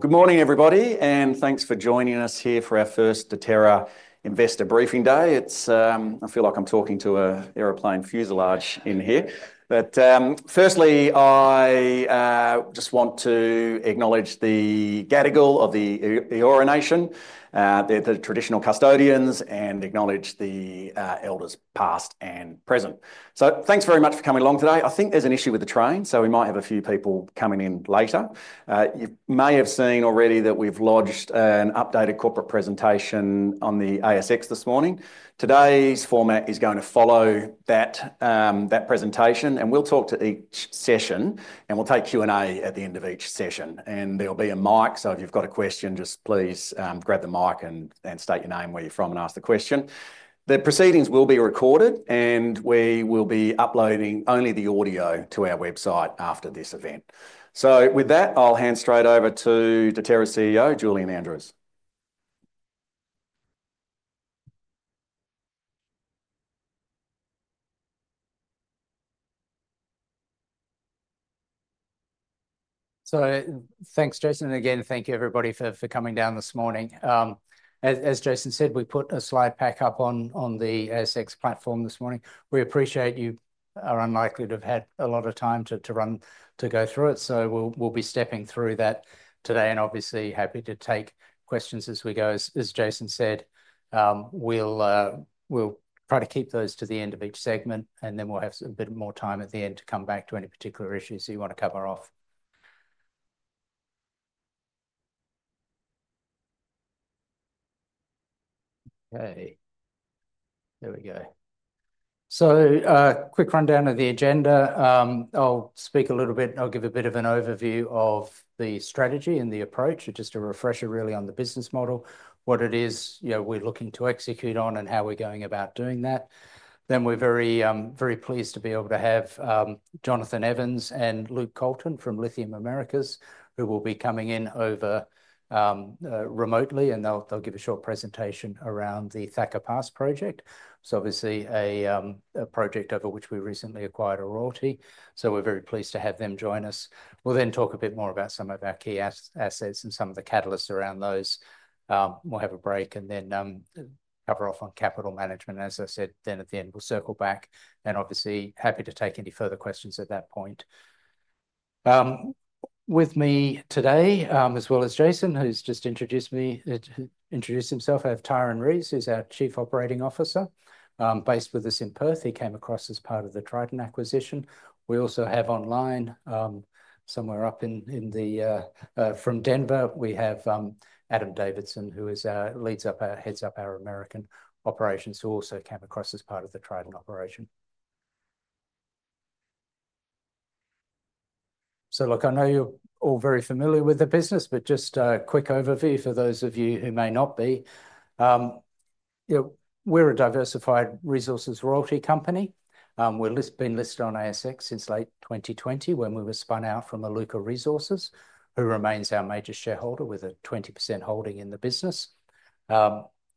Good morning, everybody, and thanks for joining us here for our first Deterra Investor Briefing Day. I feel like I'm talking to an aeroplane fuselage in here. Firstly, I just want to acknowledge the Gadigal of the Eora Nation, the traditional custodians, and acknowledge the elders past and present. Thanks very much for coming along today. I think there's an issue with the train, so we might have a few people coming in later. You may have seen already that we've lodged an updated corporate presentation on the ASX this morning. Today's format is going to follow that presentation, and we'll talk to each session, and we'll take Q&A at the end of each session. There'll be a mic, so if you've got a question, just please grab the mic and state your name, where you're from, and ask the question. The proceedings will be recorded, and we will be uploading only the audio to our website after this event. With that, I'll hand straight over to Deterra CEO, Julian Andrews. Thanks, Jason. Again, thank you, everybody, for coming down this morning. As Jason said, we put a slide pack up on the ASX platform this morning. We appreciate you are unlikely to have had a lot of time to go through it. We will be stepping through that today and obviously happy to take questions as we go. As Jason said, we will try to keep those to the end of each segment, and then we will have a bit more time at the end to come back to any particular issues that you want to cover off. Okay. There we go. Quick rundown of the agenda. I will speak a little bit. I'll give a bit of an overview of the strategy and the approach, just a refresher really on the business model, what it is, you know, we're looking to execute on and how we're going about doing that. Then we're very, very pleased to be able to have Jonathan Evans and Luke Colton from Lithium Americas, who will be coming in over, remotely, and they'll give a short presentation around the Thacker Pass project. Obviously a project over which we recently acquired a royalty. We're very pleased to have them join us. We'll then talk a bit more about some of our key assets and some of the catalysts around those. We'll have a break and then cover off on capital management. As I said, at the end, we'll circle back and obviously happy to take any further questions at that point. With me today, as well as Jason, who's just introduced me, introduced himself, I have Tyron Rees, who's our Chief Operating Officer, based with us in Perth. He came across as part of the Trident acquisition. We also have online, somewhere up in, in the, from Denver, we have Adam Davidson, who is our, leads up our, heads up our American operations, who also came across as part of the Trident operation. Look, I know you're all very familiar with the business, but just a quick overview for those of you who may not be. You know, we're a diversified resources royalty company. We've been listed on ASX since late 2020 when we were spun out from Aluka Resources, who remains our major shareholder with a 20% holding in the business.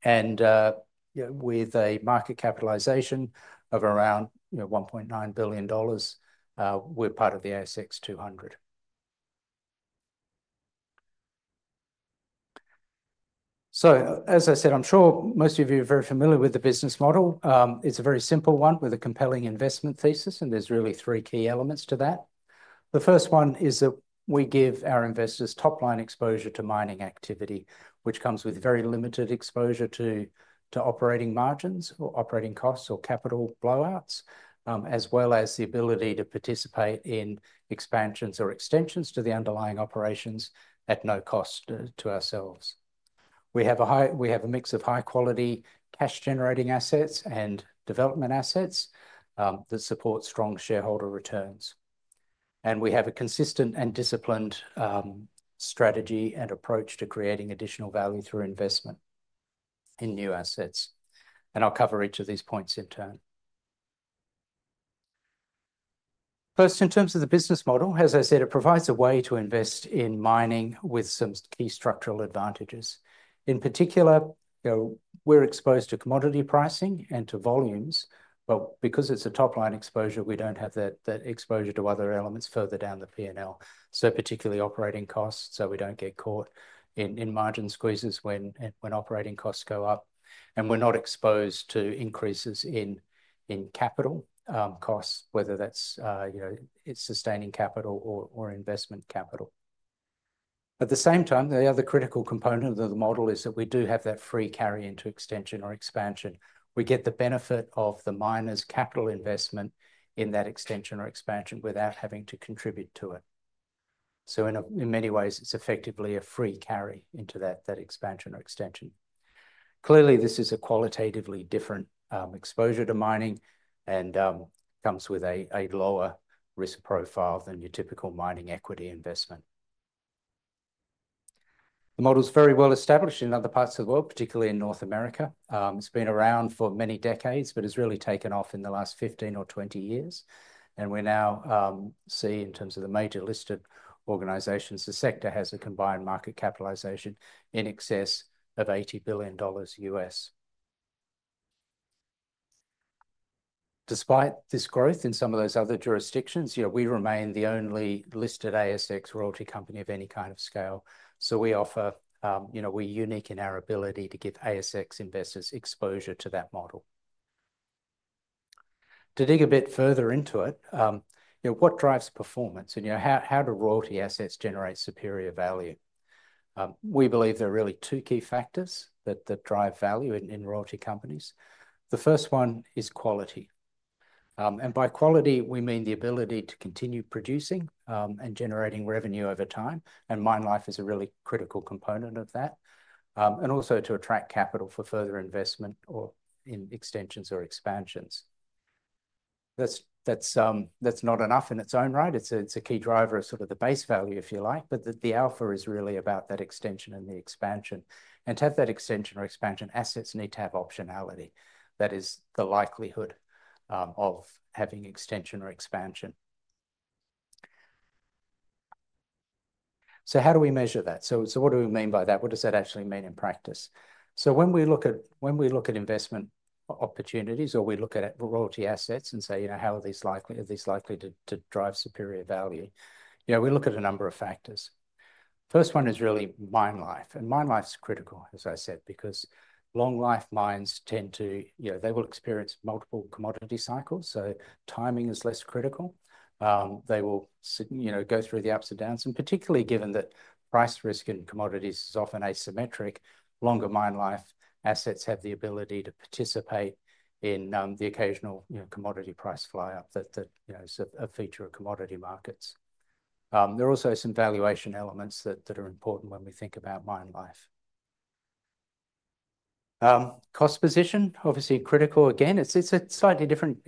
and, you know, with a market capitalization of around, you know, 1.9 billion dollars, we're part of the ASX 200. As I said, I'm sure most of you are very familiar with the business model. it's a very simple one with a compelling investment thesis, and there's really three key elements to that. The first one is that we give our investors top-line exposure to mining activity, which comes with very limited exposure to, to operating margins or operating costs or capital blowouts, as well as the ability to participate in expansions or extensions to the underlying operations at no cost to ourselves. We have a mix of high-quality cash-generating assets and development assets, that support strong shareholder returns. And we have a consistent and disciplined, strategy and approach to creating additional value through investment in new assets. I'll cover each of these points in turn. First, in terms of the business model, as I said, it provides a way to invest in mining with some key structural advantages. In particular, you know, we're exposed to commodity pricing and to volumes, but because it's a top-line exposure, we don't have that exposure to other elements further down the P&L. Particularly operating costs, so we don't get caught in margin squeezes when operating costs go up. We're not exposed to increases in capital costs, whether that's, you know, it's sustaining capital or investment capital. At the same time, the other critical component of the model is that we do have that free carry into extension or expansion. We get the benefit of the miner's capital investment in that extension or expansion without having to contribute to it. In many ways, it's effectively a free carry into that expansion or extension. Clearly, this is a qualitatively different exposure to mining and comes with a lower risk profile than your typical mining equity investment. The model's very well established in other parts of the world, particularly in North America. It's been around for many decades, but it's really taken off in the last 15 or 20 years. We now see in terms of the major listed organizations, the sector has a combined market capitalization in excess of $80 billion US. Despite this growth in some of those other jurisdictions, you know, we remain the only listed ASX royalty company of any kind of scale. We offer, you know, we're unique in our ability to give ASX investors exposure to that model. To dig a bit further into it, you know, what drives performance and, you know, how, how do royalty assets generate superior value? We believe there are really two key factors that drive value in royalty companies. The first one is quality. And by quality, we mean the ability to continue producing and generating revenue over time. Mine life is a really critical component of that, and also to attract capital for further investment or in extensions or expansions. That's not enough in its own right. It's a key driver of sort of the base value, if you like, but the alpha is really about that extension and the expansion. To have that extension or expansion, assets need to have optionality. That is the likelihood of having extension or expansion. How do we measure that? What do we mean by that? What does that actually mean in practice? When we look at investment opportunities or we look at royalty assets and say, you know, how are these likely, are these likely to drive superior value? You know, we look at a number of factors. First one is really mine life. And mine life's critical, as I said, because long life mines tend to, you know, they will experience multiple commodity cycles. Timing is less critical. They will, you know, go through the ups and downs. Particularly given that price risk in commodities is often asymmetric, longer mine life assets have the ability to participate in the occasional, you know, commodity price fly up that, you know, is a feature of commodity markets. There are also some valuation elements that are important when we think about mine life. Cost position, obviously critical. Again, it's a slightly different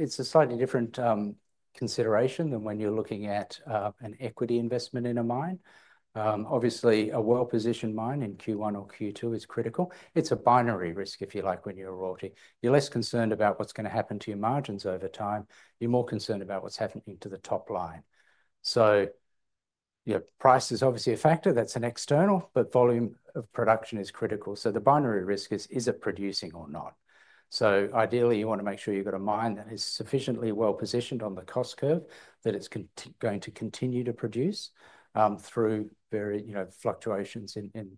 consideration than when you're looking at an equity investment in a mine. Obviously a well-positioned mine in Q1 or Q2 is critical. It's a binary risk, if you like, when you're a royalty. You're less concerned about what's going to happen to your margins over time. You're more concerned about what's happening to the top line. You know, price is obviously a factor that's an external, but volume of production is critical. The binary risk is, is it producing or not? Ideally, you want to make sure you've got a mine that is sufficiently well positioned on the cost curve, that it's going to continue to produce through very, you know, fluctuations in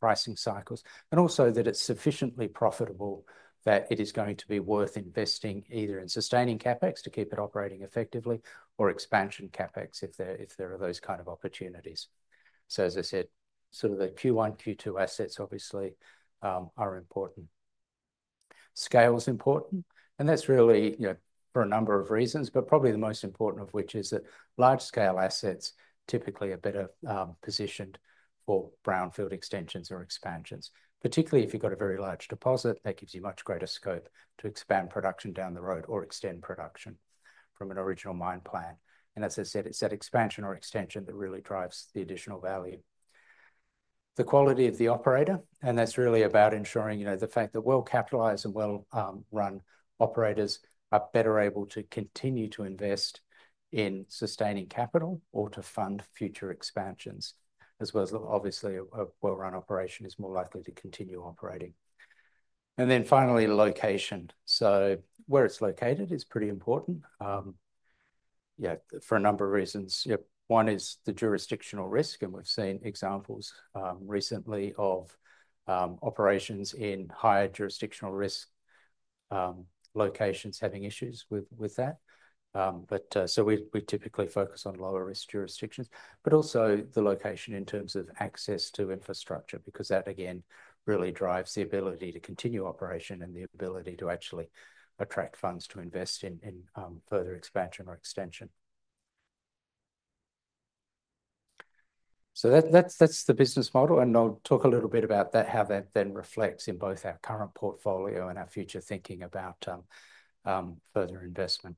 pricing cycles. is also that it's sufficiently profitable that it is going to be worth investing either in sustaining CapEx to keep it operating effectively or expansion CapEx if there are those kind of opportunities. As I said, sort of the Q1, Q2 assets obviously are important. Scale's important. That's really, you know, for a number of reasons, but probably the most important of which is that large scale assets typically are better positioned for brownfield extensions or expansions, particularly if you've got a very large deposit that gives you much greater scope to expand production down the road or extend production from an original mine plan. As I said, it's that expansion or extension that really drives the additional value. The quality of the operator, and that's really about ensuring, you know, the fact that well capitalized and well-run operators are better able to continue to invest in sustaining capital or to fund future expansions, as well as obviously a well-run operation is more likely to continue operating. Finally, location. Where it's located is pretty important, yeah, for a number of reasons. You know, one is the jurisdictional risk, and we've seen examples recently of operations in higher jurisdictional risk locations having issues with that. We typically focus on lower risk jurisdictions, but also the location in terms of access to infrastructure, because that again really drives the ability to continue operation and the ability to actually attract funds to invest in further expansion or extension. That, that's the business model. I'll talk a little bit about that, how that then reflects in both our current portfolio and our future thinking about further investment.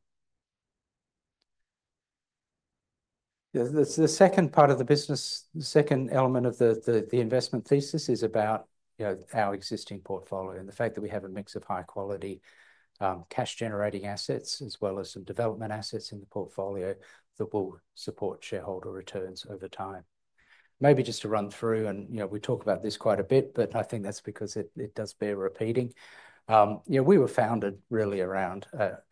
The second part of the business, the second element of the investment thesis is about, you know, our existing portfolio and the fact that we have a mix of high-quality, cash-generating assets as well as some development assets in the portfolio that will support shareholder returns over time. Maybe just to run through, and you know, we talk about this quite a bit, but I think that's because it does bear repeating. You know, we were founded really around,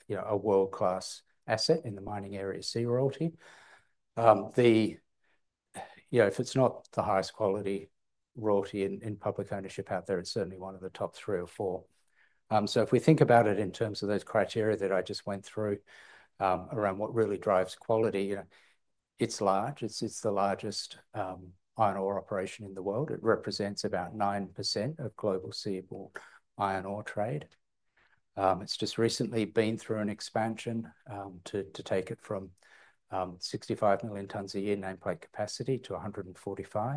you know, a world-class asset in the Mining Area C Royalty. You know, if it's not the highest quality royalty in public ownership out there, it's certainly one of the top three or four. If we think about it in terms of those criteria that I just went through, around what really drives quality, you know, it's large. It's the largest iron ore operation in the world. It represents about 9% of global seaborne iron ore trade. It's just recently been through an expansion to take it from 65 million tons a year nameplate capacity to 145.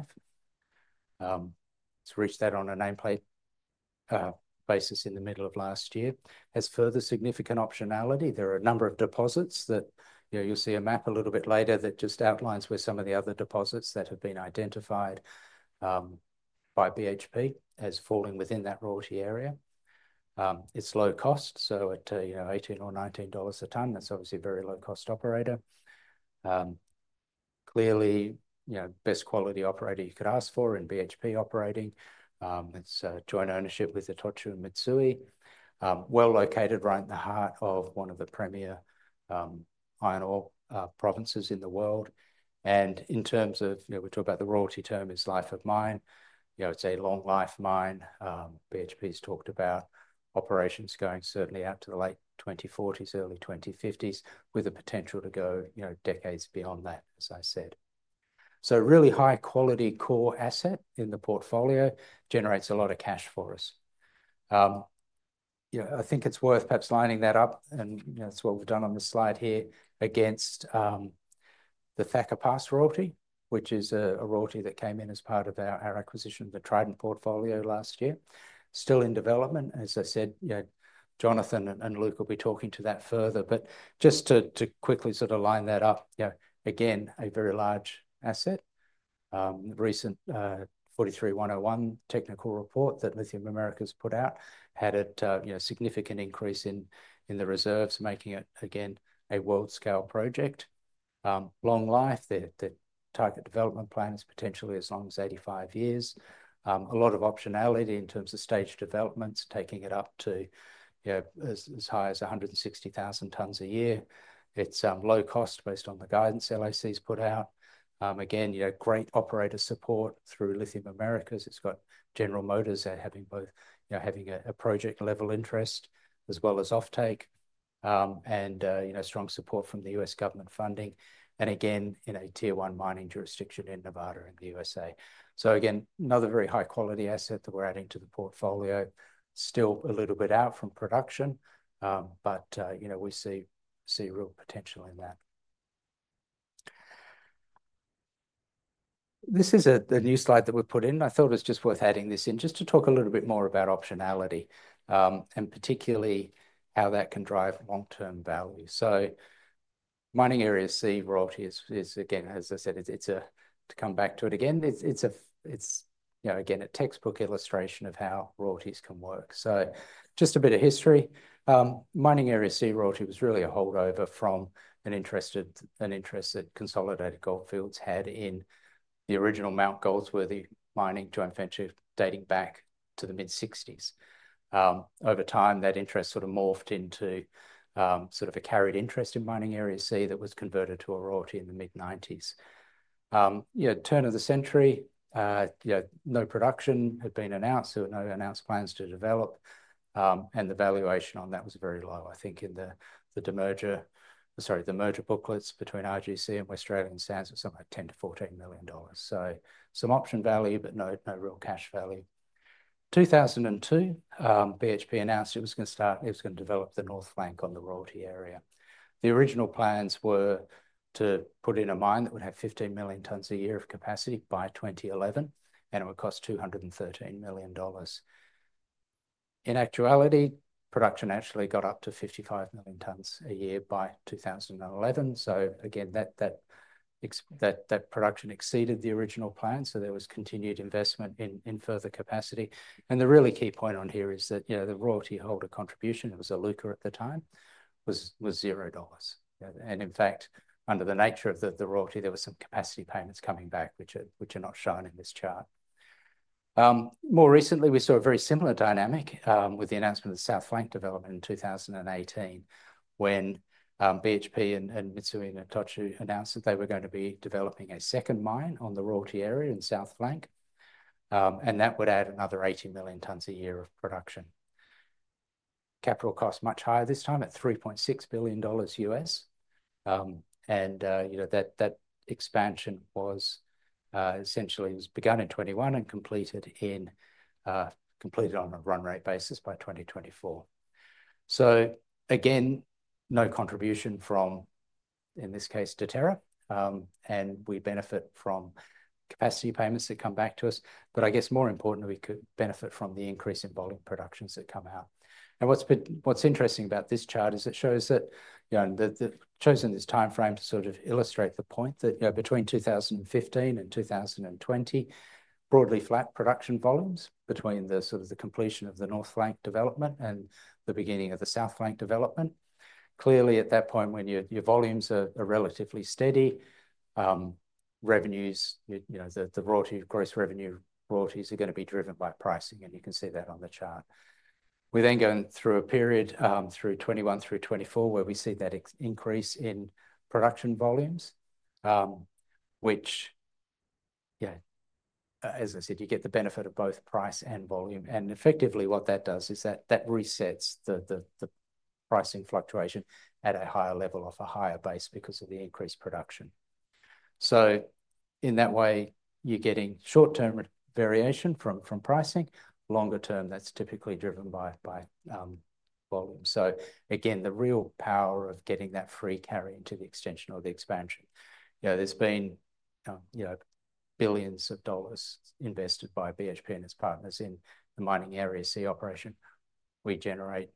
It's reached that on a nameplate basis in the middle of last year. It has further significant optionality. There are a number of deposits that, you know, you'll see a map a little bit later that just outlines where some of the other deposits that have been identified by BHP as falling within that royalty area. It's low cost. So at, you know, $18 or $19 a ton, that's obviously a very low cost operator. Clearly, you know, best quality operator you could ask for in BHP operating. It is a joint ownership with Itochu Mitsui. Well located right in the heart of one of the premier, iron ore, provinces in the world. In terms of, you know, we talk about the royalty term is life of mine. You know, it is a long life mine. BHP's talked about operations going certainly out to the late 2040s, early 2050s with the potential to go, you know, decades beyond that, as I said. Really high quality core asset in the portfolio generates a lot of cash for us. You know, I think it is worth perhaps lining that up, and you know, that is what we have done on the slide here against the Thacker Pass royalty, which is a royalty that came in as part of our acquisition of the Trident portfolio last year. Still in development, as I said, you know, Jonathan and Luke will be talking to that further. Just to quickly sort of line that up, you know, again, a very large asset. The recent 43101 technical report that Lithium Americas put out had it, you know, significant increase in the reserves, making it again a world scale project. Long life, the target development plan is potentially as long as 85 years. A lot of optionality in terms of stage developments, taking it up to, you know, as high as 160,000 tons a year. It's low cost based on the guidance LAC's put out. Again, you know, great operator support through Lithium Americas. It's got General Motors there having both, you know, having a project level interest as well as offtake. You know, strong support from the US government funding. Again, in a tier one mining jurisdiction in Nevada and the USA, another very high quality asset that we're adding to the portfolio. Still a little bit out from production, but, you know, we see real potential in that. This is a new slide that we've put in. I thought it was just worth adding this in just to talk a little bit more about optionality, and particularly how that can drive long-term value. Mining Area C royalty is, as I said, a textbook illustration of how royalties can work. Just a bit of history. Mining Area C royalty was really a holdover from an interest that Consolidated Goldfields had in the original Mount Goldsworthy mining joint venture dating back to the mid-1960s. Over time that interest sort of morphed into, sort of a carried interest in Mining Area C that was converted to a royalty in the mid-1990s. You know, turn of the century, you know, no production had been announced. There were no announced plans to develop, and the valuation on that was very low. I think in the merger, sorry, the merger booklets between RGC and Australian Sands was something like $10 million to $14 million. So some option value, but no, no real cash value. In 2002, BHP announced it was going to start, it was going to develop the North Flank on the royalty area. The original plans were to put in a mine that would have 15 million tons a year of capacity by 2011, and it would cost $213 million. In actuality, production actually got up to 55 million tons a year by 2011. That production exceeded the original plan. There was continued investment in further capacity. The really key point on here is that, you know, the royalty holder contribution, it was Aluka at the time, was $0. In fact, under the nature of the royalty, there were some capacity payments coming back, which are not shown in this chart. More recently, we saw a very similar dynamic, with the announcement of the South Flank development in 2018 when BHP and Mitsui and Itochu announced that they were going to be developing a second mine on the royalty area in South Flank. That would add another 80 million tons a year of production. Capital cost much higher this time at $3.6 billion US. and, you know, that expansion was, essentially was begun in 2021 and completed in, completed on a run rate basis by 2024. Again, no contribution from, in this case, Deterra. We benefit from capacity payments that come back to us. I guess more importantly, we could benefit from the increase in volume productions that come out. What's interesting about this chart is it shows that, you know, and they have chosen this timeframe to sort of illustrate the point that, you know, between 2015 and 2020, broadly flat production volumes between the sort of the completion of the north flank development and the beginning of the south flank development. Clearly at that point when your volumes are relatively steady, revenues, you know, the royalty gross revenue royalties are going to be driven by pricing. You can see that on the chart. We then go through a period, through 2021 through 2024 where we see that increase in production volumes, which, yeah, as I said, you get the benefit of both price and volume. Effectively what that does is that resets the pricing fluctuation at a higher level off a higher base because of the increased production. In that way, you're getting short-term variation from pricing. Longer term, that's typically driven by volume. Again, the real power of getting that free carry into the extension or the expansion. You know, there's been, you know, billions of dollars invested by BHP and its partners in the Mining Area C operation. We generate,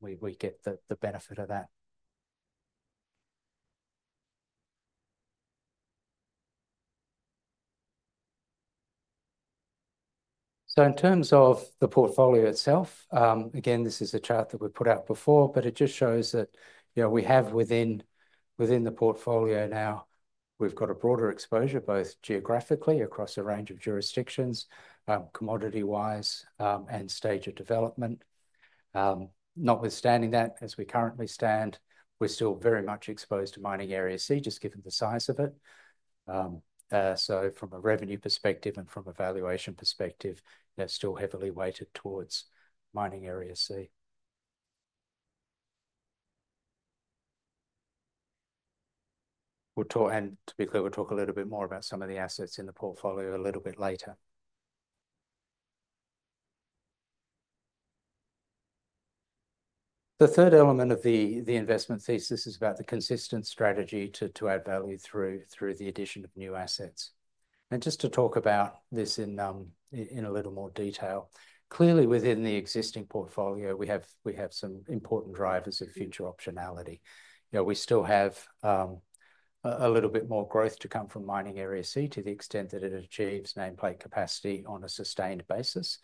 we get the benefit of that. In terms of the portfolio itself, again, this is a chart that we put out before, but it just shows that, you know, we have within the portfolio now, we've got a broader exposure both geographically across a range of jurisdictions, commodity-wise, and stage of development. Notwithstanding that, as we currently stand, we're still very much exposed to Mining Area C just given the size of it. So from a revenue perspective and from a valuation perspective, they're still heavily weighted towards Mining Area C. We'll talk, and to be clear, we'll talk a little bit more about some of the assets in the portfolio a little bit later. The third element of the investment thesis is about the consistent strategy to add value through the addition of new assets. Just to talk about this in a little more detail, clearly within the existing portfolio, we have some important drivers of future optionality. You know, we still have a little bit more growth to come from Mining Area C to the extent that it achieves nameplate capacity on a sustained basis.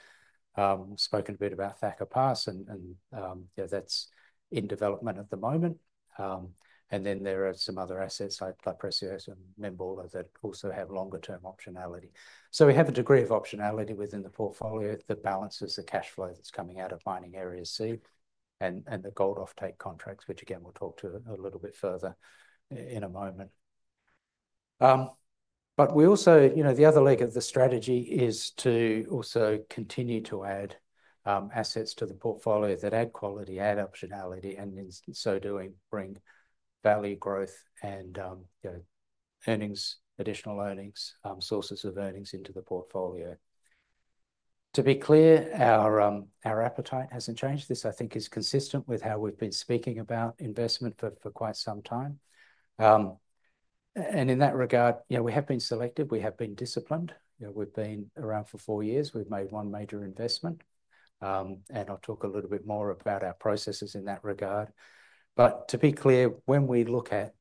Spoken a bit about Thacker Pass and, you know, that's in development at the moment. There are some other assets like La Preciosa and Mingomba that also have longer term optionality. So we have a degree of optionality within the portfolio that balances the cash flow that's coming out of Mining Area C and the gold offtake contracts, which again, we'll talk to a little bit further in a moment. But we also, you know, the other leg of the strategy is to also continue to add assets to the portfolio that add quality, add optionality, and in so doing bring value growth and, you know, earnings, additional earnings, sources of earnings into the portfolio. To be clear, our appetite hasn't changed. This I think is consistent with how we've been speaking about investment for quite some time. In that regard, you know, we have been selective, we have been disciplined. You know, we've been around for four years, we've made one major investment. I'll talk a little bit more about our processes in that regard. To be clear, when we look at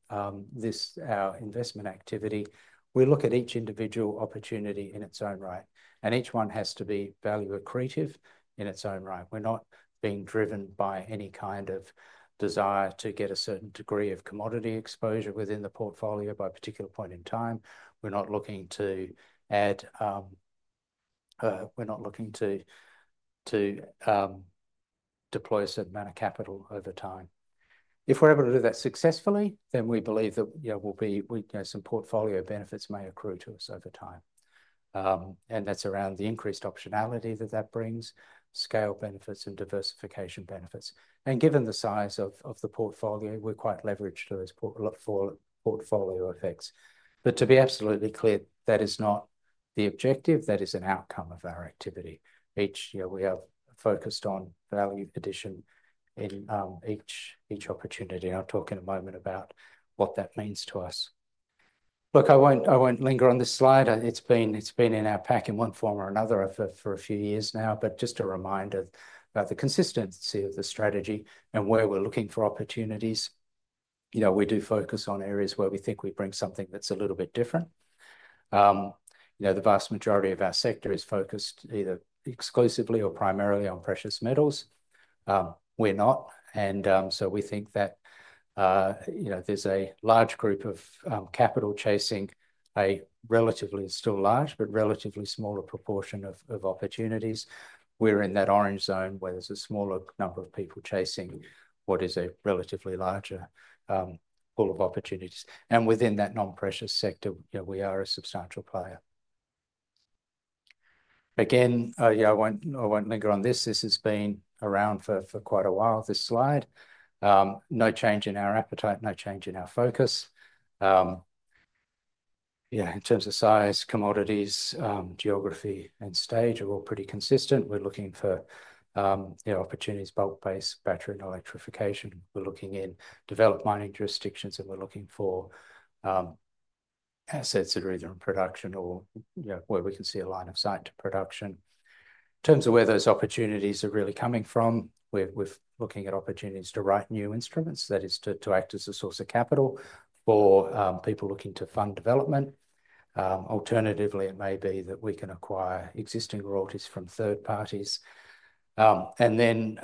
this, our investment activity, we look at each individual opportunity in its own right, and each one has to be value accretive in its own right. We're not being driven by any kind of desire to get a certain degree of commodity exposure within the portfolio by a particular point in time. We're not looking to add, we're not looking to deploy a certain amount of capital over time. If we're able to do that successfully, then we believe that, you know, we'll be, we, you know, some portfolio benefits may accrue to us over time. That's around the increased optionality that that brings, scale benefits and diversification benefits. Given the size of the portfolio, we're quite leveraged to those portfolio effects. To be absolutely clear, that is not the objective. That is an outcome of our activity. Each, you know, we are focused on value addition in each opportunity. I'll talk in a moment about what that means to us. Look, I won't linger on this slide. It's been in our pack in one form or another for a few years now. Just a reminder about the consistency of the strategy and where we're looking for opportunities. You know, we do focus on areas where we think we bring something that's a little bit different. You know, the vast majority of our sector is focused either exclusively or primarily on precious metals. We're not. You know, there's a large group of capital chasing a relatively still large, but relatively smaller proportion of opportunities. We are in that orange zone where there's a smaller number of people chasing what is a relatively larger pool of opportunities. Within that non-precious sector, you know, we are a substantial player. Again, I won't linger on this. This has been around for quite a while, this slide. No change in our appetite, no change in our focus. Yeah, in terms of size, commodities, geography and stage are all pretty consistent. We're looking for, you know, opportunities, bulk-based battery and electrification. We're looking in developed mining jurisdictions and we're looking for assets that are either in production or, you know, where we can see a line of sight to production. In terms of where those opportunities are really coming from, we're looking at opportunities to write new instruments, that is to act as a source of capital for people looking to fund development. Alternatively, it may be that we can acquire existing royalties from third parties. And then,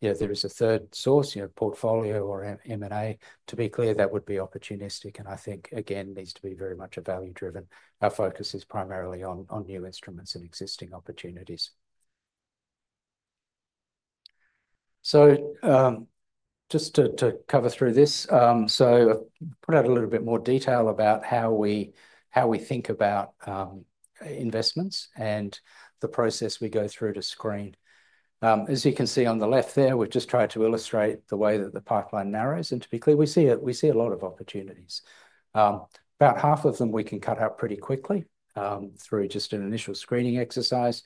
you know, there is a third source, you know, portfolio or M&A. To be clear, that would be opportunistic. I think, again, needs to be very much a value driven. Our focus is primarily on, on new instruments and existing opportunities. Just to cover through this, I've put out a little bit more detail about how we, how we think about investments and the process we go through to screen. As you can see on the left there, we've just tried to illustrate the way that the pipeline narrows. To be clear, we see a lot of opportunities. About half of them we can cut out pretty quickly, through just an initial screening exercise.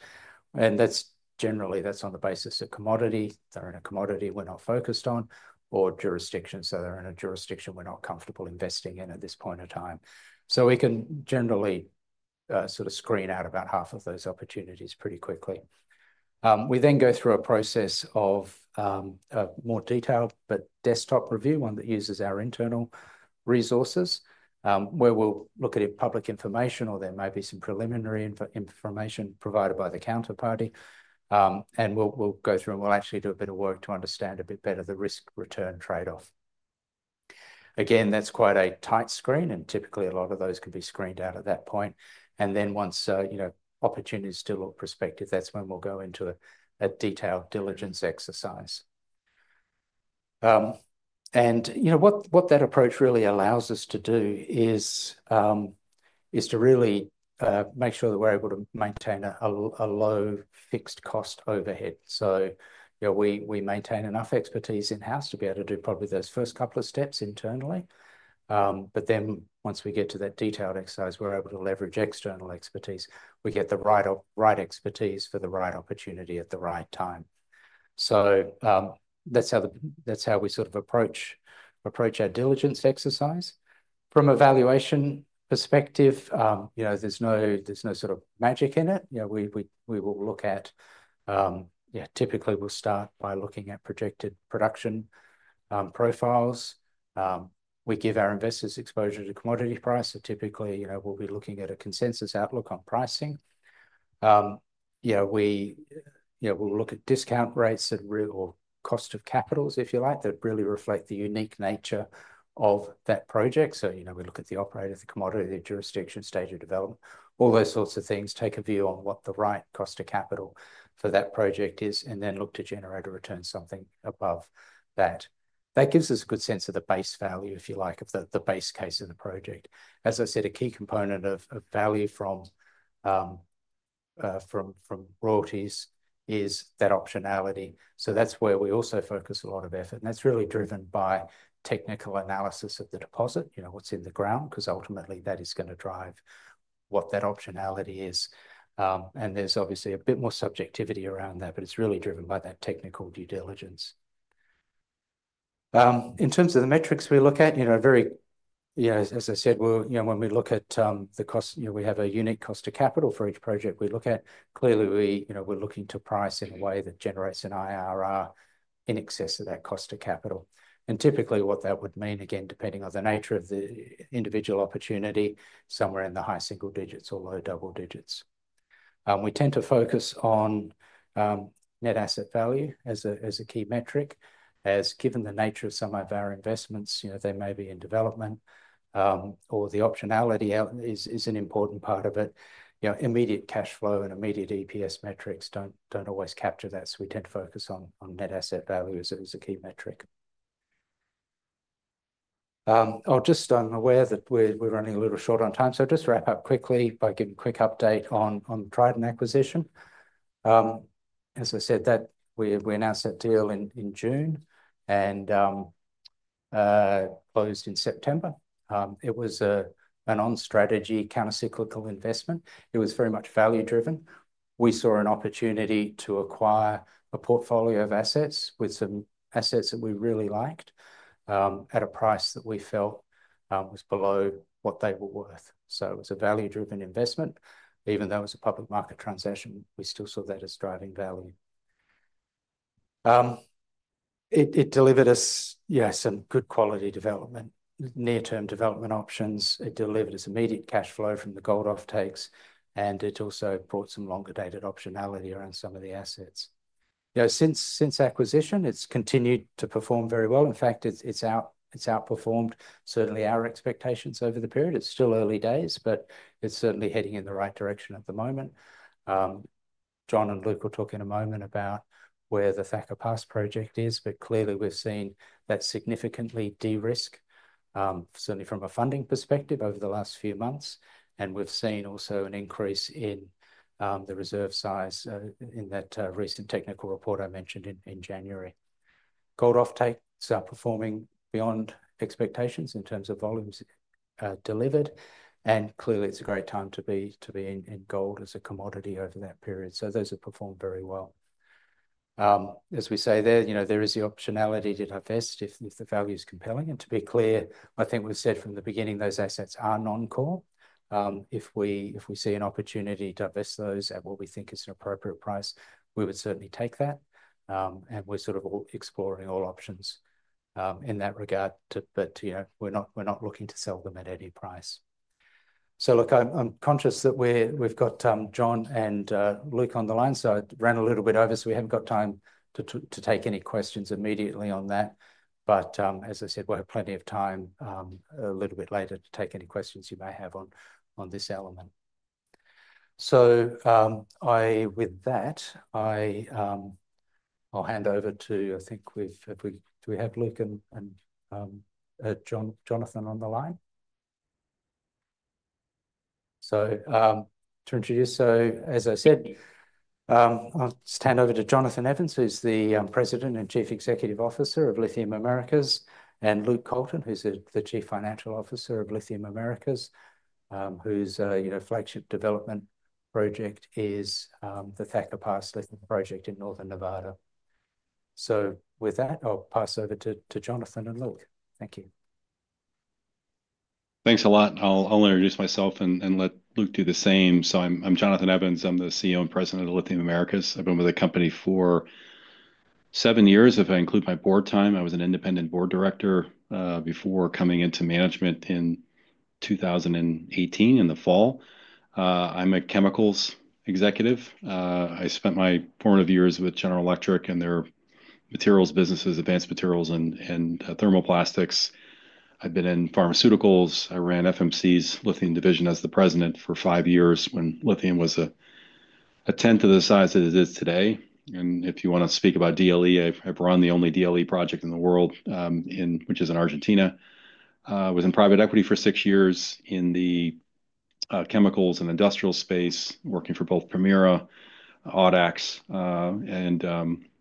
That's generally on the basis of commodity. They're in a commodity we're not focused on or jurisdiction. They're in a jurisdiction we're not comfortable investing in at this point of time. We can generally sort of screen out about half of those opportunities pretty quickly. We then go through a process of, a more detailed, but desktop review, one that uses our internal resources, where we'll look at it in public information or there may be some preliminary information provided by the counterparty. We'll go through and we'll actually do a bit of work to understand a bit better the risk return trade-off. Again, that's quite a tight screen and typically a lot of those can be screened out at that point. Once opportunities still look prospective, that's when we'll go into a detailed diligence exercise. You know, what that approach really allows us to do is to really make sure that we're able to maintain a low fixed cost overhead. You know, we maintain enough expertise in-house to be able to do probably those first couple of steps internally. But then once we get to that detailed exercise, we're able to leverage external expertise. We get the right expertise for the right opportunity at the right time. That's how we sort of approach our diligence exercise. From a valuation perspective, you know, there's no sort of magic in it. You know, we will look at, yeah, typically we'll start by looking at projected production profiles. We give our investors exposure to commodity price. So typically, you know, we'll be looking at a consensus outlook on pricing. You know, we will look at discount rates that or cost of capitals, if you like, that really reflect the unique nature of that project. You know, we look at the operator, the commodity, the jurisdiction, stage of development, all those sorts of things, take a view on what the right cost of capital for that project is, and then look to generate a return something above that. That gives us a good sense of the base value, if you like, of the base case of the project. As I said, a key component of value from royalties is that optionality. That is where we also focus a lot of effort. That is really driven by technical analysis of the deposit, you know, what is in the ground, 'cause ultimately that is gonna drive what that optionality is. There is obviously a bit more subjectivity around that, but it is really driven by that technical due diligence. In terms of the metrics we look at, you know, very, you know, as I said, we'll, you know, when we look at the cost, you know, we have a unique cost of capital for each project. We look at, clearly, we, you know, we're looking to price in a way that generates an IRR in excess of that cost of capital. Typically what that would mean, again, depending on the nature of the individual opportunity, somewhere in the high single digits or low double digits. We tend to focus on net asset value as a key metric, as given the nature of some of our investments, you know, they may be in development, or the optionality out is an important part of it. You know, immediate cash flow and immediate EPS metrics do not always capture that. We tend to focus on net asset value as a key metric. I'm aware that we're running a little short on time, so I'll just wrap up quickly by giving a quick update on Trident acquisition. As I said, we announced that deal in June and closed in September. It was an on-strategy countercyclical investment. It was very much value driven. We saw an opportunity to acquire a portfolio of assets with some assets that we really liked, at a price that we felt was below what they were worth. It was a value driven investment. Even though it was a public market transaction, we still saw that as driving value. It delivered us some good quality development, near-term development options. It delivered us immediate cash flow from the Gold Offtakes, and it also brought some longer dated optionality around some of the assets. You know, since acquisition, it's continued to perform very well. In fact, it's outperformed certainly our expectations over the period. It's still early days, but it's certainly heading in the right direction at the moment. John and Luke will talk in a moment about where the Thacker Pass project is, but clearly we've seen that significantly de-risk, certainly from a funding perspective over the last few months. We have seen also an increase in the reserve size in that recent technical report I mentioned in January. Gold Offtakes are performing beyond expectations in terms of volumes delivered. Clearly it's a great time to be in gold as a commodity over that period. Those have performed very well. As we say there, you know, there is the optionality to divest if the value is compelling. And to be clear, I think we've said from the beginning those assets are non-core. If we see an opportunity to divest those at what we think is an appropriate price, we would certainly take that. And we're sort of all exploring all options in that regard too, but you know, we're not looking to sell them at any price. Look, I'm conscious that we've got John and Luke on the line. I ran a little bit over, so we haven't got time to take any questions immediately on that. As I said, we'll have plenty of time a little bit later to take any questions you may have on this element. With that, I'll hand over to, I think we've, have we, do we have Luke and Jonathan on the line? To introduce, as I said, I'll just hand over to Jonathan Evans, who's the President and Chief Executive Officer of Lithium Americas, and Luke Colton, who's the Chief Financial Officer of Lithium Americas, whose, you know, flagship development project is the Thacker Pass Lithium project in Northern Nevada. With that, I'll pass over to Jonathan and Luke. Thank you. Thanks a lot. I'll introduce myself and let Luke do the same. I'm Jonathan Evans. I'm the CEO and President of Lithium Americas. I've been with the company for seven years. If I include my board time, I was an independent board director before coming into management in 2018 in the fall. I'm a chemicals executive. I spent my formative years with General Electric and their materials businesses, advanced materials and thermoplastics. I've been in pharmaceuticals. I ran FMC's lithium division as the president for five years when lithium was a tenth of the size that it is today. If you wanna speak about DLE, I've run the only DLE project in the world, which is in Argentina. I was in private equity for six years in the chemicals and industrial space, working for both Primera, Audax, and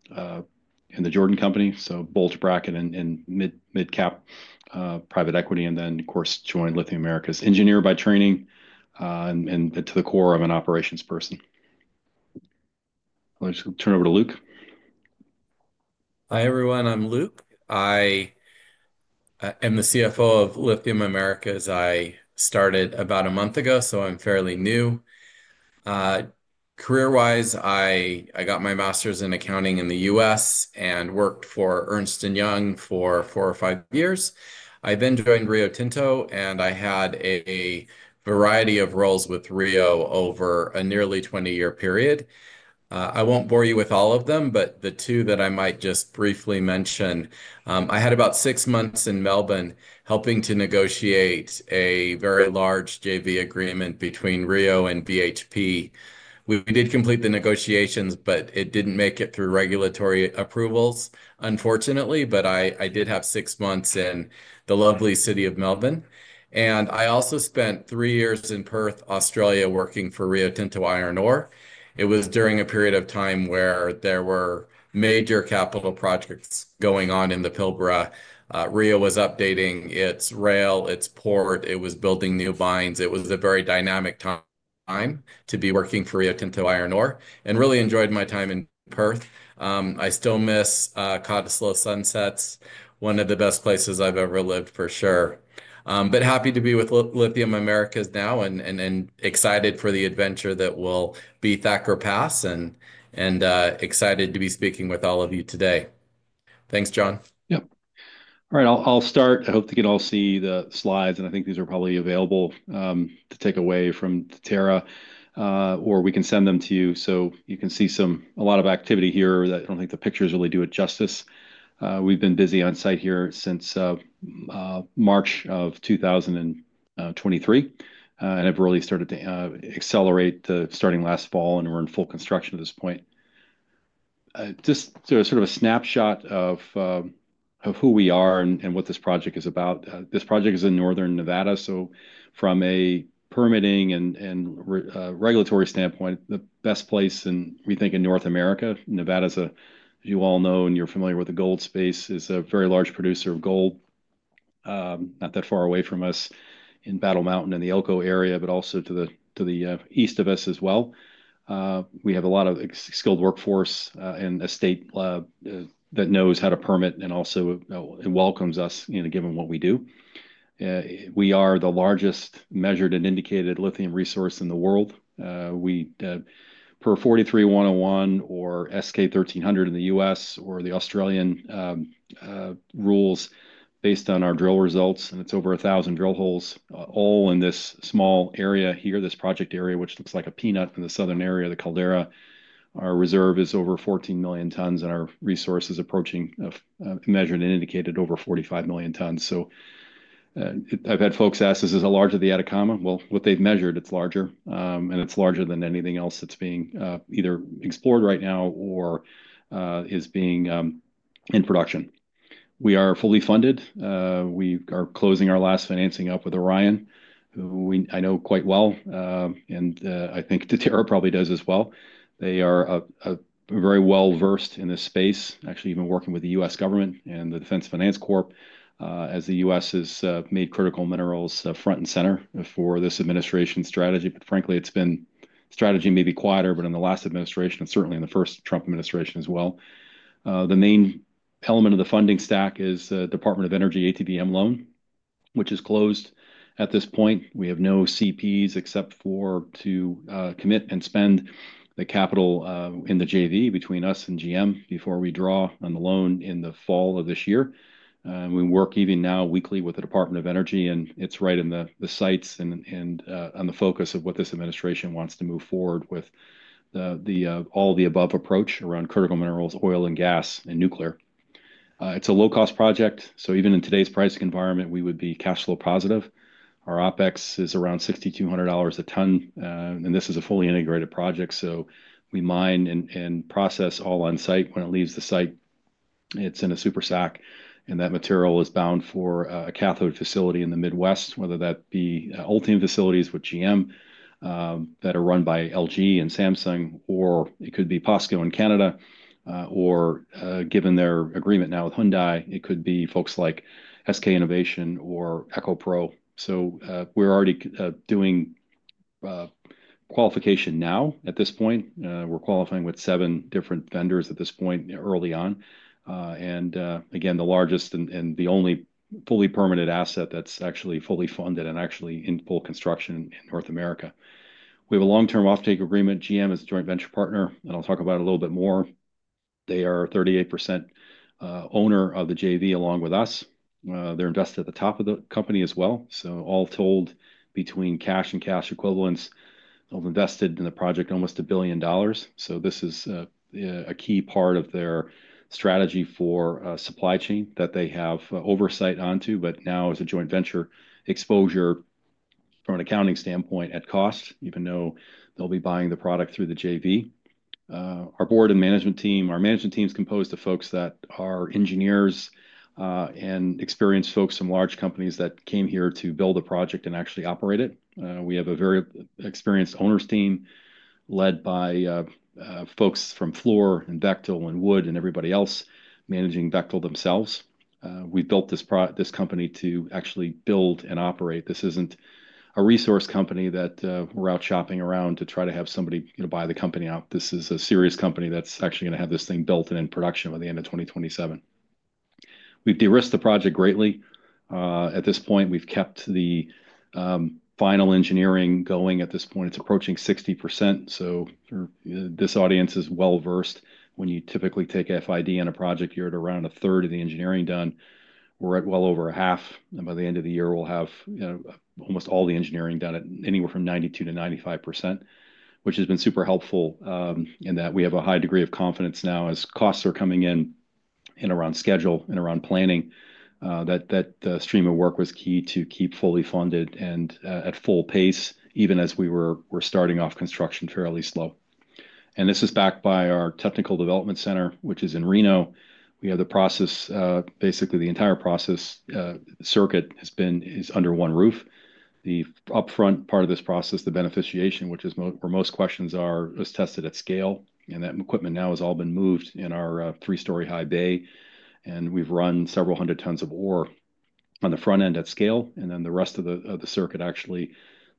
the Jordan Company. Bulge bracket and mid-cap private equity. Of course, I joined Lithium Americas. Engineer by training, and to the core I'm an operations person. I'll just turn over to Luke. Hi everyone. I'm Luke. I am the CFO of Lithium Americas. I started about a month ago, so I'm fairly new. Career wise, I got my master's in accounting in the US and worked for Ernst and Young for four or five years. I then joined Rio Tinto and I had a variety of roles with Rio over a nearly 20 year period. I won't bore you with all of them, but the two that I might just briefly mention, I had about six months in Melbourne helping to negotiate a very large JV agreement between Rio and BHP. We did complete the negotiations, but it didn't make it through regulatory approvals, unfortunately. I did have six months in the lovely city of Melbourne. I also spent three years in Perth, Australia, working for Rio Tinto Iron Ore. It was during a period of time where there were major capital projects going on in the Pilbara. Rio was updating its rail, its port, it was building new mines. It was a very dynamic time to be working for Rio Tinto Iron Ore and really enjoyed my time in Perth. I still miss Cottesloe sunsets, one of the best places I've ever lived for sure. Happy to be with Lithium Americas now and excited for the adventure that will be Thacker Pass and excited to be speaking with all of you today. Thanks, John. Yep. All right. I'll start. I hope you all see the slides. I think these are probably available to take away from Deterra, or we can send them to you so you can see some. A lot of activity here that I don't think the pictures really do it justice. We've been busy on site here since March of 2023, and have really started to accelerate, starting last fall and we're in full construction at this point. Just to sort of a snapshot of who we are and what this project is about. This project is in Northern Nevada. From a permitting and regulatory standpoint, the best place in, we think, in North America, Nevada's a, as you all know, and you're familiar with the gold space, is a very large producer of gold, not that far away from us in Battle Mountain and the Elko area, but also to the east of us as well. We have a lot of skilled workforce, and a state that knows how to permit and also welcomes us, you know, given what we do. We are the largest measured and indicated lithium resource in the world. We, per 43101 or SK 1300 in the US or the Australian rules, based on our drill results, and it's over 1,000 drill holes, all in this small area here, this project area, which looks like a peanut in the southern area of the Caldera. Our reserve is over 14 million tons and our resource is approaching, measured and indicated, over 45 million tons. I've had folks ask, is this a larger the out of comma? What they've measured, it's larger, and it's larger than anything else that's being either explored right now or is being in production. We are fully funded. We are closing our last financing up with Orion, who we, I know quite well, and I think Deterra probably does as well. They are very well versed in this space, actually even working with the US government and the Defense Finance Corp, as the US has made critical minerals front and center for this administration strategy. Frankly, it's been strategy maybe quieter, but in the last administration and certainly in the first Trump administration as well. The main element of the funding stack is the Department of Energy ATBM loan, which is closed at this point. We have no CPs except for to commit and spend the capital in the JV between us and GM before we draw on the loan in the fall of this year. We work even now weekly with the Department of Energy and it is right in the sites and on the focus of what this administration wants to move forward with, the all-of-the-above approach around critical minerals, oil and gas, and nuclear. It is a low-cost project. Even in today's pricing environment, we would be cash flow positive. Our OPEX is around $6,200 a ton. This is a fully integrated project. We mine and process all on site. When it leaves the site, it is in a super sack and that material is bound for a cathode facility in the Midwest, whether that be Ultium facilities with General Motors that are run by LG and Samsung, or it could be Pasco in Canada, or, given their agreement now with Hyundai, it could be folks like SK Innovation or EcoPro. We're already doing qualification now at this point. We're qualifying with seven different vendors at this point early on. Again, the largest and the only fully permitted asset that's actually fully funded and actually in full construction in North America. We have a long-term offtake agreement. GM is a joint venture partner and I'll talk about it a little bit more. They are 38% owner of the JV along with us. They're invested at the top of the company as well. All told, between cash and cash equivalents, they've invested in the project almost $1 billion. This is a key part of their strategy for supply chain that they have oversight onto. Now as a joint venture exposure from an accounting standpoint at cost, even though they'll be buying the product through the JV. Our board and management team, our management team's composed of folks that are engineers, and experienced folks from large companies that came here to build a project and actually operate it. We have a very experienced owners team led by folks from Fluor and Bechtel and Wood and everybody else managing Bechtel themselves. We've built this pro, this company to actually build and operate. This isn't a resource company that, we're out shopping around to try to have somebody, you know, buy the company out. This is a serious company that's actually gonna have this thing built and in production by the end of 2027. We've de-risked the project greatly. At this point, we've kept the final engineering going at this point. It's approaching 60%. For this audience is well versed. When you typically take FID on a project, you're at around a third of the engineering done. We're at well over a half. By the end of the year, we'll have, you know, almost all the engineering done at anywhere from 92%-95%, which has been super helpful, in that we have a high degree of confidence now as costs are coming in and around schedule and around planning, that the stream of work was key to keep fully funded and, at full pace, even as we were starting off construction fairly slow. This is backed by our technical development center, which is in Reno. We have the process, basically the entire process circuit is under one roof. The upfront part of this process, the beneficiation, which is where most questions are, is tested at scale. That equipment now has all been moved in our three-story high bay. We've run several hundred tons of ore on the front end at scale. The rest of the circuit actually,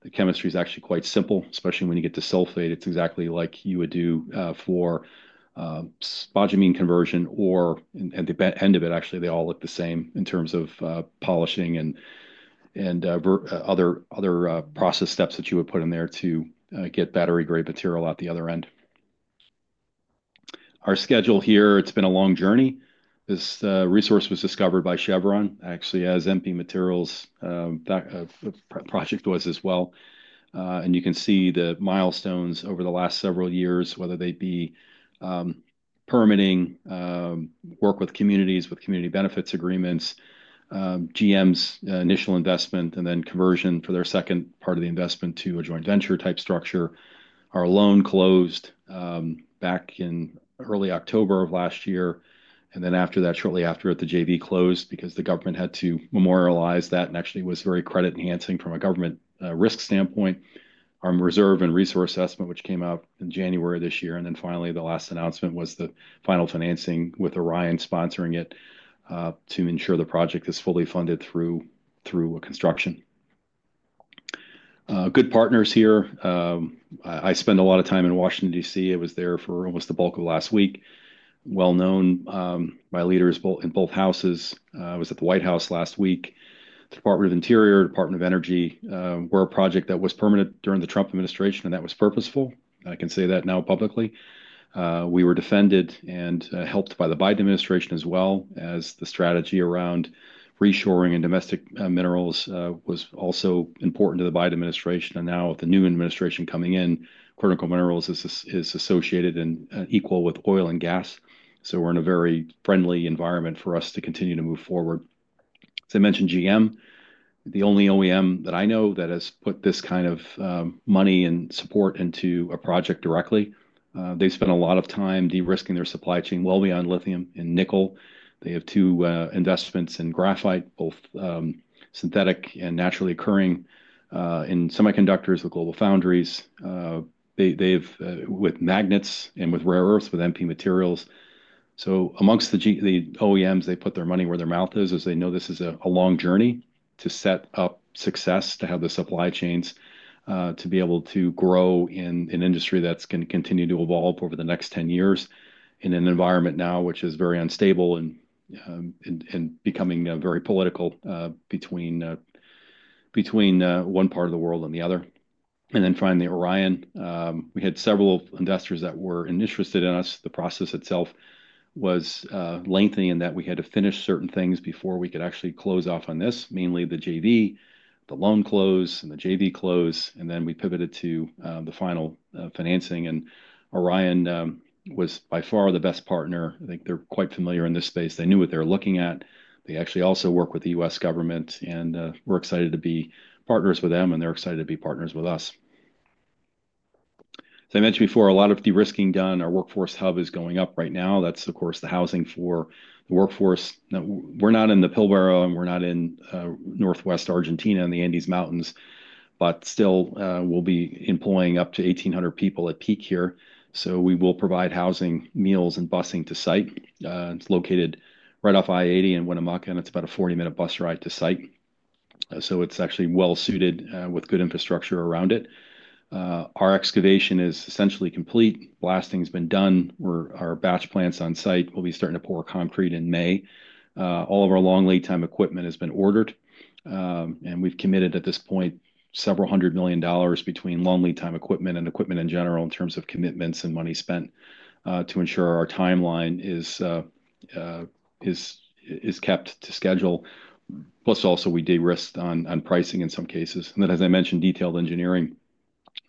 the chemistry is actually quite simple, especially when you get to sulfate. It's exactly like you would do for spodumene conversion, and the end of it actually, they all look the same in terms of polishing and other process steps that you would put in there to get battery grade material at the other end. Our schedule here, it's been a long journey. This resource was discovered by Chevron, actually as empty materials, that project was as well. You can see the milestones over the last several years, whether they'd be permitting, work with communities, with community benefits agreements, GM's initial investment, and then conversion for their second part of the investment to a joint venture type structure. Our loan closed back in early October of last year. After that, shortly after, the JV closed because the government had to memorialize that and actually it was very credit enhancing from a government risk standpoint. Our reserve and resource assessment, which came out in January of this year. Finally, the last announcement was the final financing with Orion sponsoring it, to ensure the project is fully funded through construction. Good partners here. I spend a lot of time in Washington, DC. I was there for almost the bulk of last week. Well known by leaders in both houses. I was at the White House last week. The Department of Interior, Department of Energy, were a project that was permanent during the Trump administration and that was purposeful. I can say that now publicly. We were defended and helped by the Biden administration as well as the strategy around reshoring and domestic minerals, which was also important to the Biden administration. Now with the new administration coming in, critical minerals is associated and equal with oil and gas. We are in a very friendly environment for us to continue to move forward. As I mentioned, GM, the only OEM that I know that has put this kind of money and support into a project directly, they spent a lot of time de-risking their supply chain well beyond lithium and nickel. They have two investments in graphite, both synthetic and naturally occurring, in semiconductors with Global Foundries. They have worked with magnets and with rare earths with MP Materials. Amongst the OEMs, they put their money where their mouth is, as they know this is a long journey to set up success, to have the supply chains, to be able to grow in an industry that's gonna continue to evolve over the next 10 years in an environment now, which is very unstable and becoming very political, between one part of the world and the other. Finally, Orion, we had several investors that were interested in us. The process itself was lengthy in that we had to finish certain things before we could actually close off on this, mainly the JV, the loan close and the JV close. We pivoted to the final financing. Orion was by far the best partner. I think they're quite familiar in this space. They knew what they were looking at. They actually also work with the US government, and we're excited to be partners with them and they're excited to be partners with us. As I mentioned before, a lot of de-risking done. Our workforce hub is going up right now. That's of course the housing for the workforce. Now we're not in the Pilbara and we're not in Northwest Argentina in the Andes Mountains, but still, we'll be employing up to 1,800 people at peak here. We will provide housing, meals, and busing to site. It's located right off I-80 in Winnemucca and it's about a 40-minute bus ride to site. It's actually well suited, with good infrastructure around it. Our excavation is essentially complete. Blasting's been done. Our batch plant's on site. We'll be starting to pour concrete in May. All of our long lead time equipment has been ordered. We've committed at this point several hundred million dollars between long lead time equipment and equipment in general in terms of commitments and money spent, to ensure our timeline is kept to schedule. Plus also we de-risked on pricing in some cases. As I mentioned, detailed engineering, that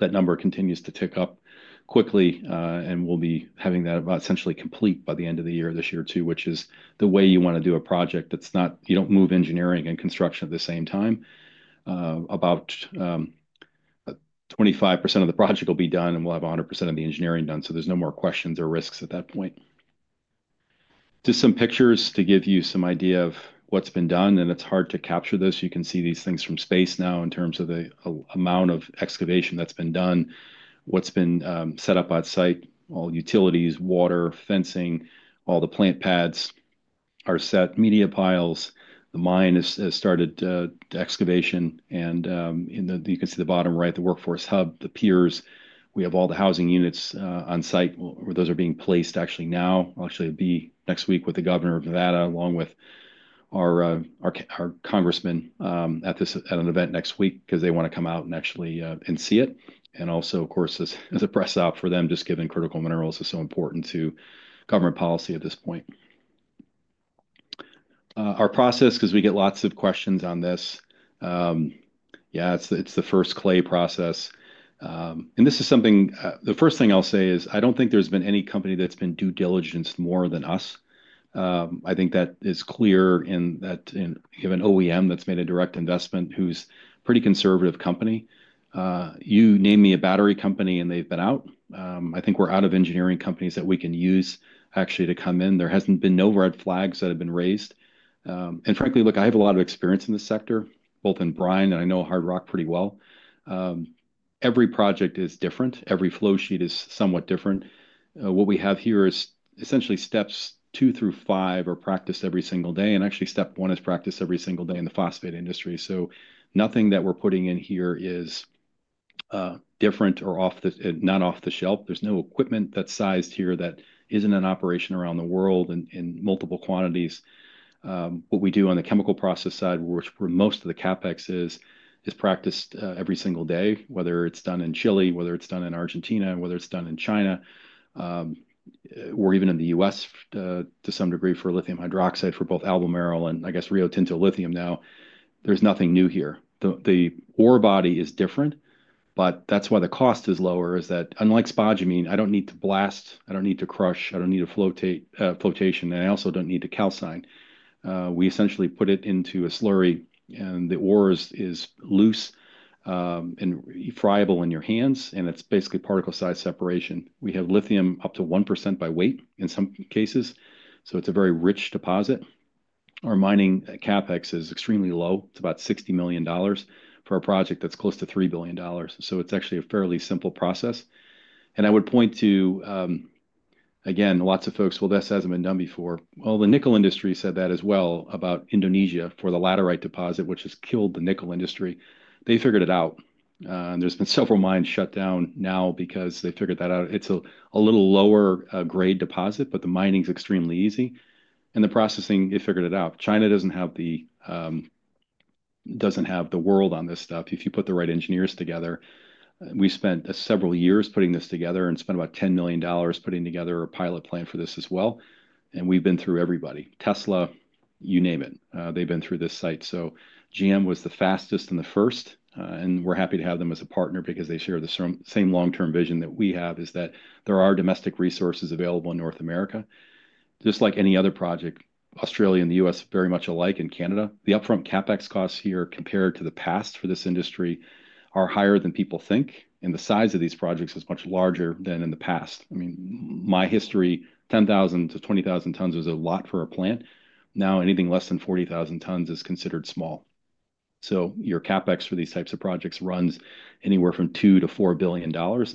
number continues to tick up quickly, and we'll be having that about essentially complete by the end of the year this year too, which is the way you want to do a project that's not, you don't move engineering and construction at the same time. About 25% of the project will be done and we'll have 100% of the engineering done. So there's no more questions or risks at that point. Just some pictures to give you some idea of what's been done. It's hard to capture this. You can see these things from space now in terms of the amount of excavation that's been done, what's been set up at site, all utilities, water, fencing, all the plant pads are set, media piles. The mine has started the excavation and, in the, you can see the bottom right, the workforce hub, the piers. We have all the housing units on site where those are being placed actually now. I'll actually be next week with the governor of Nevada along with our congressman at this, at an event next week 'cause they wanna come out and actually see it. Also, of course, as a press out for them, just given critical minerals is so important to government policy at this point. Our process, 'cause we get lots of questions on this. Yeah, it's the first clay process. This is something, the first thing I'll say is I don't think there's been any company that's been due diligence more than us. I think that is clear in that in given OEM that's made a direct investment, who's a pretty conservative company. You name me a battery company and they've been out. I think we're out of engineering companies that we can use actually to come in. There hasn't been no red flags that have been raised. Frankly, look, I have a lot of experience in this sector, both in Brian and I know Hard Rock pretty well. Every project is different. Every flow sheet is somewhat different. What we have here is essentially steps two through five are practiced every single day. Actually, step one is practiced every single day in the phosphate industry. Nothing that we're putting in here is different or off the shelf. There's no equipment that's sized here that isn't in operation around the world in multiple quantities. What we do on the chemical process side, which is where most of the CapEx is, is practiced every single day, whether it's done in Chile, whether it's done in Argentina, whether it's done in China, or even in the US to some degree for lithium hydroxide for both Albemarle and I guess Rio Tinto lithium. There's nothing new here. The ore body is different, but that's why the cost is lower. Unlike spodumene, I don't need to blast, I don't need to crush, I don't need to flotate, flotation. And I also don't need to calcine. We essentially put it into a slurry and the ore is, is loose and friable in your hands. It's basically particle size separation. We have lithium up to 1% by weight in some cases. It's a very rich deposit. Our mining CapEx is extremely low. It's about $60 million for a project that's close to $3 billion. It's actually a fairly simple process. I would point to, again, lots of folks, well, this hasn't been done before. The nickel industry said that as well about Indonesia for the laterite deposit, which has killed the nickel industry. They figured it out, and there's been several mines shut down now because they figured that out. It's a little lower grade deposit, but the mining's extremely easy. The processing, they figured it out. China doesn't have the, doesn't have the world on this stuff. If you put the right engineers together, we spent several years putting this together and spent about $10 million putting together a pilot plan for this as well. We have been through everybody, Tesla, you name it. They have been through this site. GM was the fastest and the first. We are happy to have them as a partner because they share the same long-term vision that we have, which is that there are domestic resources available in North America. Just like any other project, Australia and the US are very much alike, and Canada. The upfront CapEx costs here compared to the past for this industry are higher than people think. The size of these projects is much larger than in the past. I mean, my history, 10,000-20,000 tons was a lot for a plant. Now anything less than 40,000 tons is considered small. Your CapEx for these types of projects runs anywhere from $2 billion-$4 billion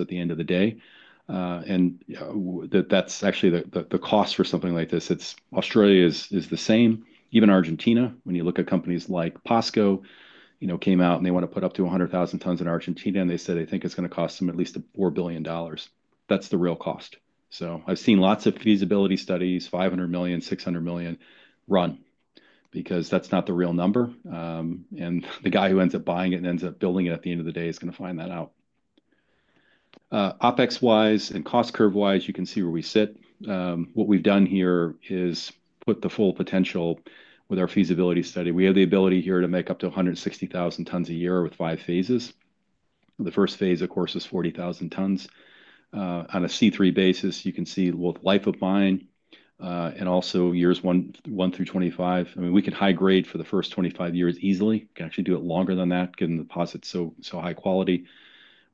at the end of the day, and that's actually the cost for something like this. Australia is the same. Even Argentina, when you look at companies like POSCO, you know, came out and they wanna put up to 100,000 tons in Argentina and they said they think it's gonna cost them at least $4 billion. That's the real cost. I've seen lots of feasibility studies, $500 million, $600 million run because that's not the real number, and the guy who ends up buying it and ends up building it at the end of the day is gonna find that out. OpEx wise and cost curve wise, you can see where we sit. What we've done here is put the full potential with our feasibility study. We have the ability here to make up to 160,000 tons a year with five phases. The first phase, of course, is 40,000 tons. On a C3 basis, you can see both life of mine, and also years one, one through 25. I mean, we could high grade for the first 25 years easily. We can actually do it longer than that given the deposit's so, so high quality.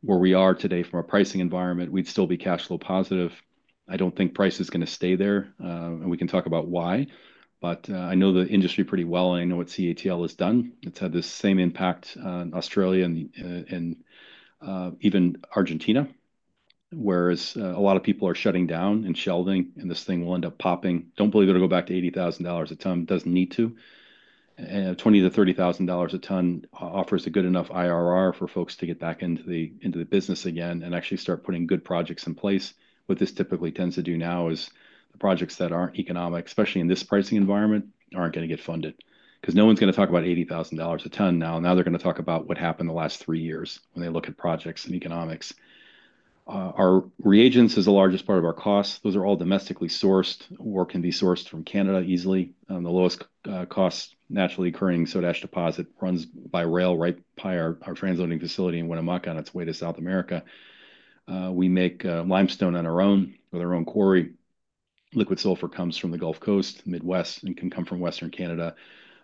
Where we are today from a pricing environment, we'd still be cash flow positive. I don't think price is gonna stay there. We can talk about why, but I know the industry pretty well and I know what CATL has done. It's had the same impact on Australia and, and, even Argentina, whereas, a lot of people are shutting down and shelving and this thing will end up popping. Don't believe it'll go back to $80,000 a ton. Doesn't need to. And $20,000-$30,000 a ton offers a good enough IRR for folks to get back into the, into the business again and actually start putting good projects in place. What this typically tends to do now is the projects that aren't economic, especially in this pricing environment, aren't gonna get funded 'cause no one's gonna talk about $80,000 a ton now. Now they're gonna talk about what happened the last three years when they look at projects and economics. Our reagents is the largest part of our costs. Those are all domestically sourced. Work can be sourced from Canada easily. The lowest-cost naturally occurring soda ash deposit runs by rail right by our transloading facility in Winnemucca on its way to South America. We make limestone on our own with our own quarry. Liquid sulfur comes from the Gulf Coast, Midwest, and can come from Western Canada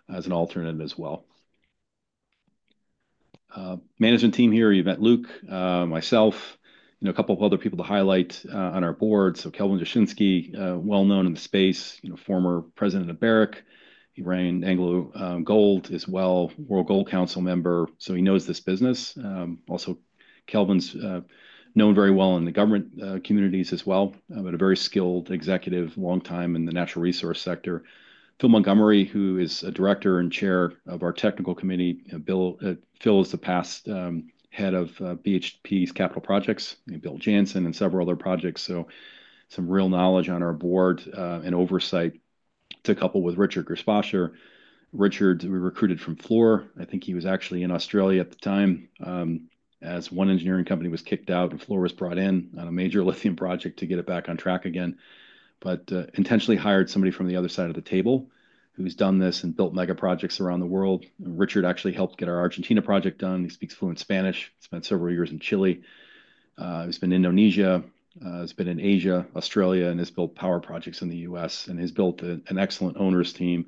as an alternative as well. Management team here, Yvette, Luke, myself, you know, a couple of other people to highlight, on our board. Kelvin Jashinsky, well known in the space, you know, former president of Barrick. He ran Anglo Gold as well, World Gold Council member. He knows this business. Also, Kelvin's known very well in the government communities as well, but a very skilled executive, long time in the natural resource sector. Phil Montgomery, who is a Director and Chair of our Technical Committee, Phil is the past head of BHP's capital projects and Bill Jansen and several other projects. Some real knowledge on our board, and oversight to couple with Richard Gerspacher. Richard, we recruited from Fluor. I think he was actually in Australia at the time, as one engineering company was kicked out and Fluor was brought in on a major lithium project to get it back on track again. Intentionally hired somebody from the other side of the table who's done this and built mega projects around the world. Richard actually helped get our Argentina project done. He speaks fluent Spanish, spent several years in Chile. He's been in Indonesia, has been in Asia, Australia, and has built power projects in the US and has built an excellent owners team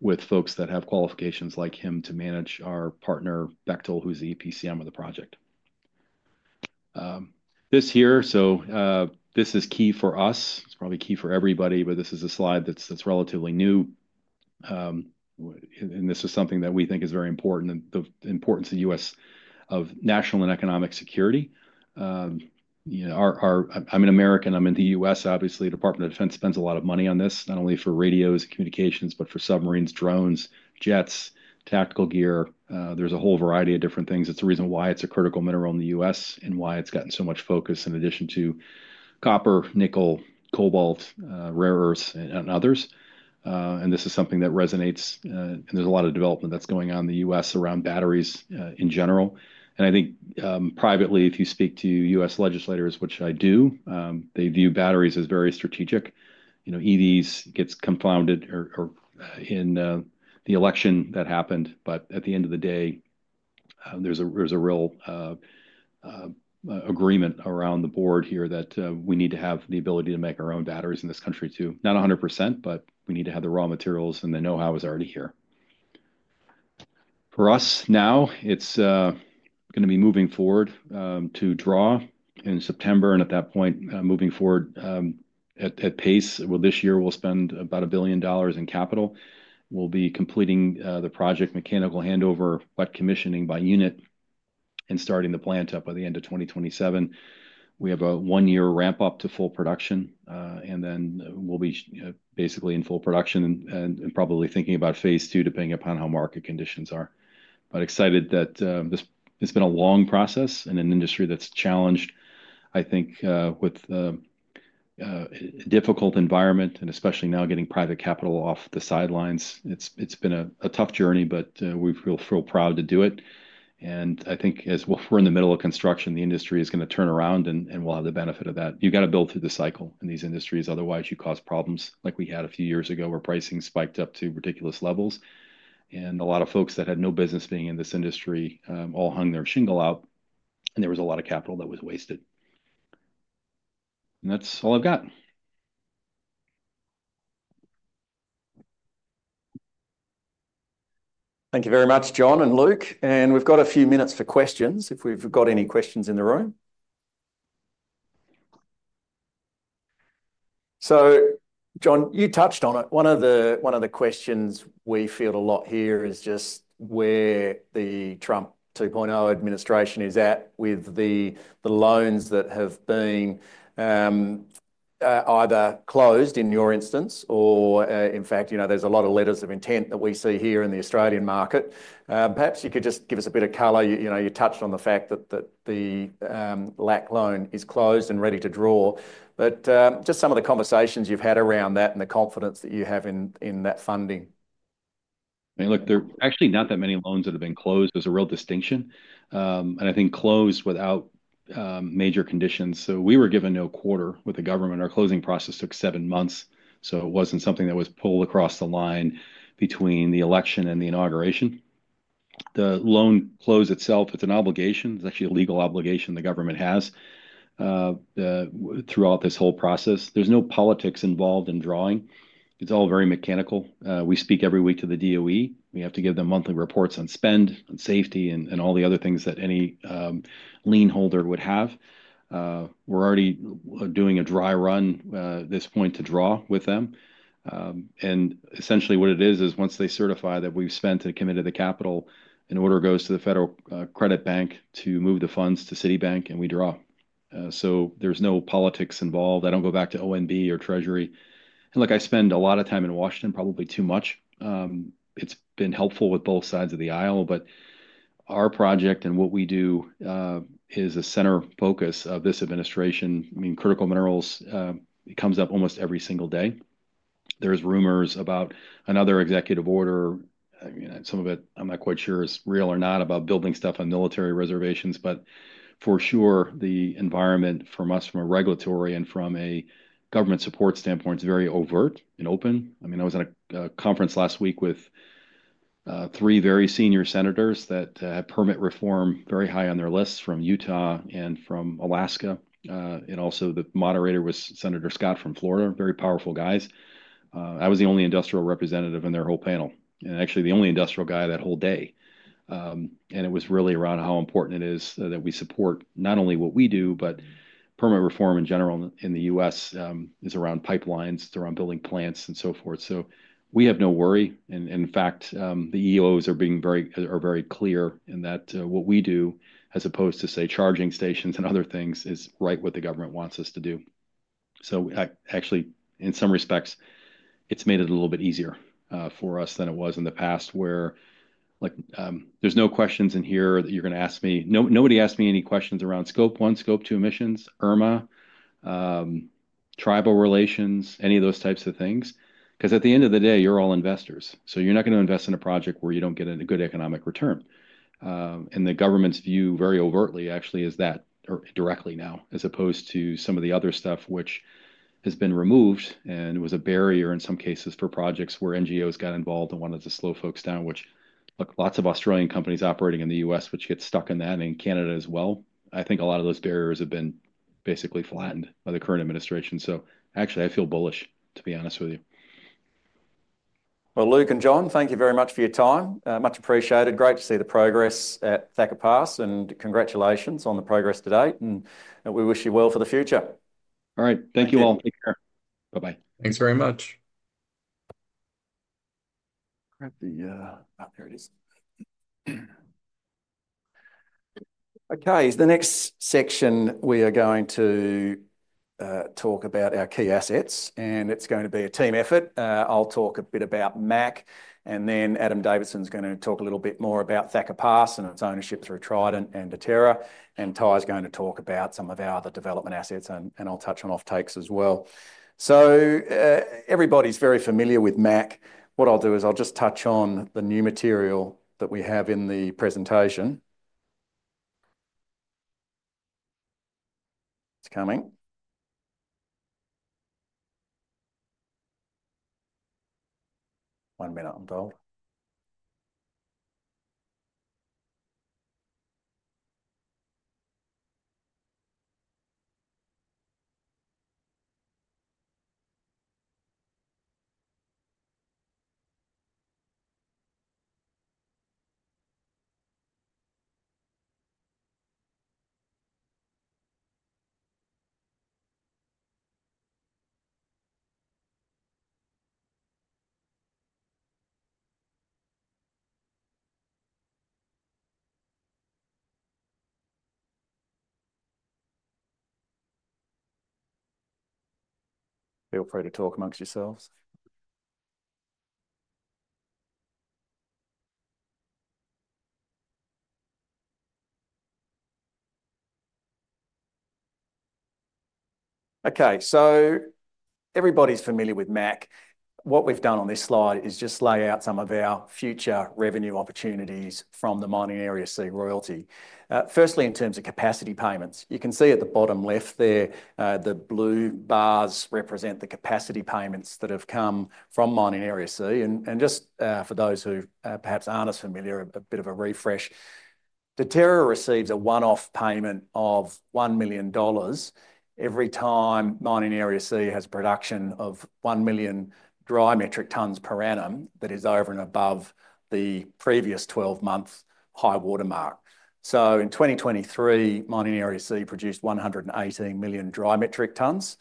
with folks that have qualifications like him to manage our partner Bechtel, who's the EPCM of the project. This here, so, this is key for us. It's probably key for everybody, but this is a slide that's, that's relatively new. This is something that we think is very important and the importance of the U.S. of national and economic security. You know, our, our, I'm an American, I'm in the U.S., obviously. The Department of Defense spends a lot of money on this, not only for radios and communications, but for submarines, drones, jets, tactical gear. There is a whole variety of different things. It is the reason why it is a critical mineral in the U.S. and why it has gotten so much focus in addition to copper, nickel, cobalt, rare earths and others. This is something that resonates, and there is a lot of development that is going on in the U.S. around batteries, in general. I think, privately, if you speak to U.S. legislators, which I do, they view batteries as very strategic. You know, EVs gets confounded or, or, in, the election that happened. At the end of the day, there's a real agreement around the board here that we need to have the ability to make our own batteries in this country too. Not 100%, but we need to have the raw materials and the know-how is already here. For us now, it's gonna be moving forward, to draw in September. At that point, moving forward at pace. This year we'll spend about $1 billion in capital. We'll be completing the project mechanical handover, commissioning by unit, and starting the plant up by the end of 2027. We have a one-year ramp up to full production, and then we'll be basically in full production and probably thinking about phase two, depending upon how market conditions are. Excited that this, it's been a long process in an industry that's challenged, I think, with a difficult environment and especially now getting private capital off the sidelines. It's been a tough journey, but we feel proud to do it. I think as we're in the middle of construction, the industry is gonna turn around and we'll have the benefit of that. You gotta build through the cycle in these industries. Otherwise, you cause problems like we had a few years ago where pricing spiked up to ridiculous levels. A lot of folks that had no business being in this industry all hung their shingle out and there was a lot of capital that was wasted. That's all I've got. Thank you very much, John and Luke. We've got a few minutes for questions if we've got any questions in the room. John, you touched on it. One of the questions we feel a lot here is just where the Trump 2.0 administration is at with the loans that have been either closed in your instance or, in fact, you know, there's a lot of letters of intent that we see here in the Australian market. Perhaps you could just give us a bit of color. You, you know, you touched on the fact that the LAC loan is closed and ready to draw, but just some of the conversations you've had around that and the confidence that you have in that funding. I mean, look, there are actually not that many loans that have been closed. There's a real distinction. I think closed without major conditions. We were given no quarter with the government. Our closing process took seven months. It was not something that was pulled across the line between the election and the inauguration. The loan close itself, it is an obligation. It is actually a legal obligation the government has, throughout this whole process. There is no politics involved in drawing. It is all very mechanical. We speak every week to the DOE. We have to give them monthly reports on spend, on safety, and all the other things that any lienholder would have. We are already doing a dry run, this point to draw with them. Essentially what it is is once they certify that we have spent and committed the capital, an order goes to the federal credit bank to move the funds to Citibank and we draw. There is no politics involved. I do not go back to ONB or Treasury. Look, I spend a lot of time in Washington, probably too much. It's been helpful with both sides of the aisle, but our project and what we do is a center focus of this administration. I mean, critical minerals, it comes up almost every single day. There's rumors about another executive order. I mean, some of it, I'm not quite sure is real or not about building stuff on military reservations. For sure, the environment from us, from a regulatory and from a government support standpoint, is very overt and open. I mean, I was at a conference last week with three very senior senators that have permit reform very high on their lists from Utah and from Alaska. Also, the moderator was Senator Scott from Florida. Very powerful guys. I was the only industrial representative in their whole panel and actually the only industrial guy that whole day. It was really around how important it is that we support not only what we do, but permit reform in general in the US, is around pipelines, it's around building plants and so forth. We have no worry. In fact, the EOs are very clear in that what we do as opposed to, say, charging stations and other things is right what the government wants us to do. I actually, in some respects, think it's made it a little bit easier for us than it was in the past where, like, there's no questions in here that you're gonna ask me. No, nobody asked me any questions around scope one, scope two emissions, IRMA, tribal relations, any of those types of things. 'Cause at the end of the day, you're all investors. You are not gonna invest in a project where you do not get a good economic return. The government's view very overtly actually is that, or directly now as opposed to some of the other stuff which has been removed, and it was a barrier in some cases for projects where NGOs got involved and wanted to slow folks down, which, look, lots of Australian companies operating in the US, which get stuck in that, and in Canada as well. I think a lot of those barriers have been basically flattened by the current administration. Actually, I feel bullish, to be honest with you. Luke and John, thank you very much for your time, much appreciated. Great to see the progress at Thacker Pass and congratulations on the progress to date. We wish you well for the future. All right. Thank you all. Take care. Bye-bye. Thanks very much. Grab the, oh, there it is. Okay. The next section we are going to talk about our key assets and it's going to be a team effort. I'll talk a bit about MAC and then Adam Davidson's gonna talk a little bit more about Thacker Pass and its ownership through Trident and Deterra. And Ty's going to talk about some of our other development assets and I'll touch on off takes as well. Everybody's very familiar with MAC. What I'll do is I'll just touch on the new material that we have in the presentation. It's coming. One minute, I'm told. Feel free to talk amongst yourselves. Okay. Everybody's familiar with MAC. What we've done on this slide is just lay out some of our future revenue opportunities from the Mining Area C royalty. Firstly, in terms of capacity payments, you can see at the bottom left there, the blue bars represent the capacity payments that have come from Mining Area C. And just, for those who, perhaps aren't as familiar, a bit of a refresh. Deterra receives a one-off payment of $1 million every time Mining Area C has production of 1 million dry metric tons per annum that is over and above the previous 12-month high watermark. In 2023, Mining Area C produced 118 million dry metric tons,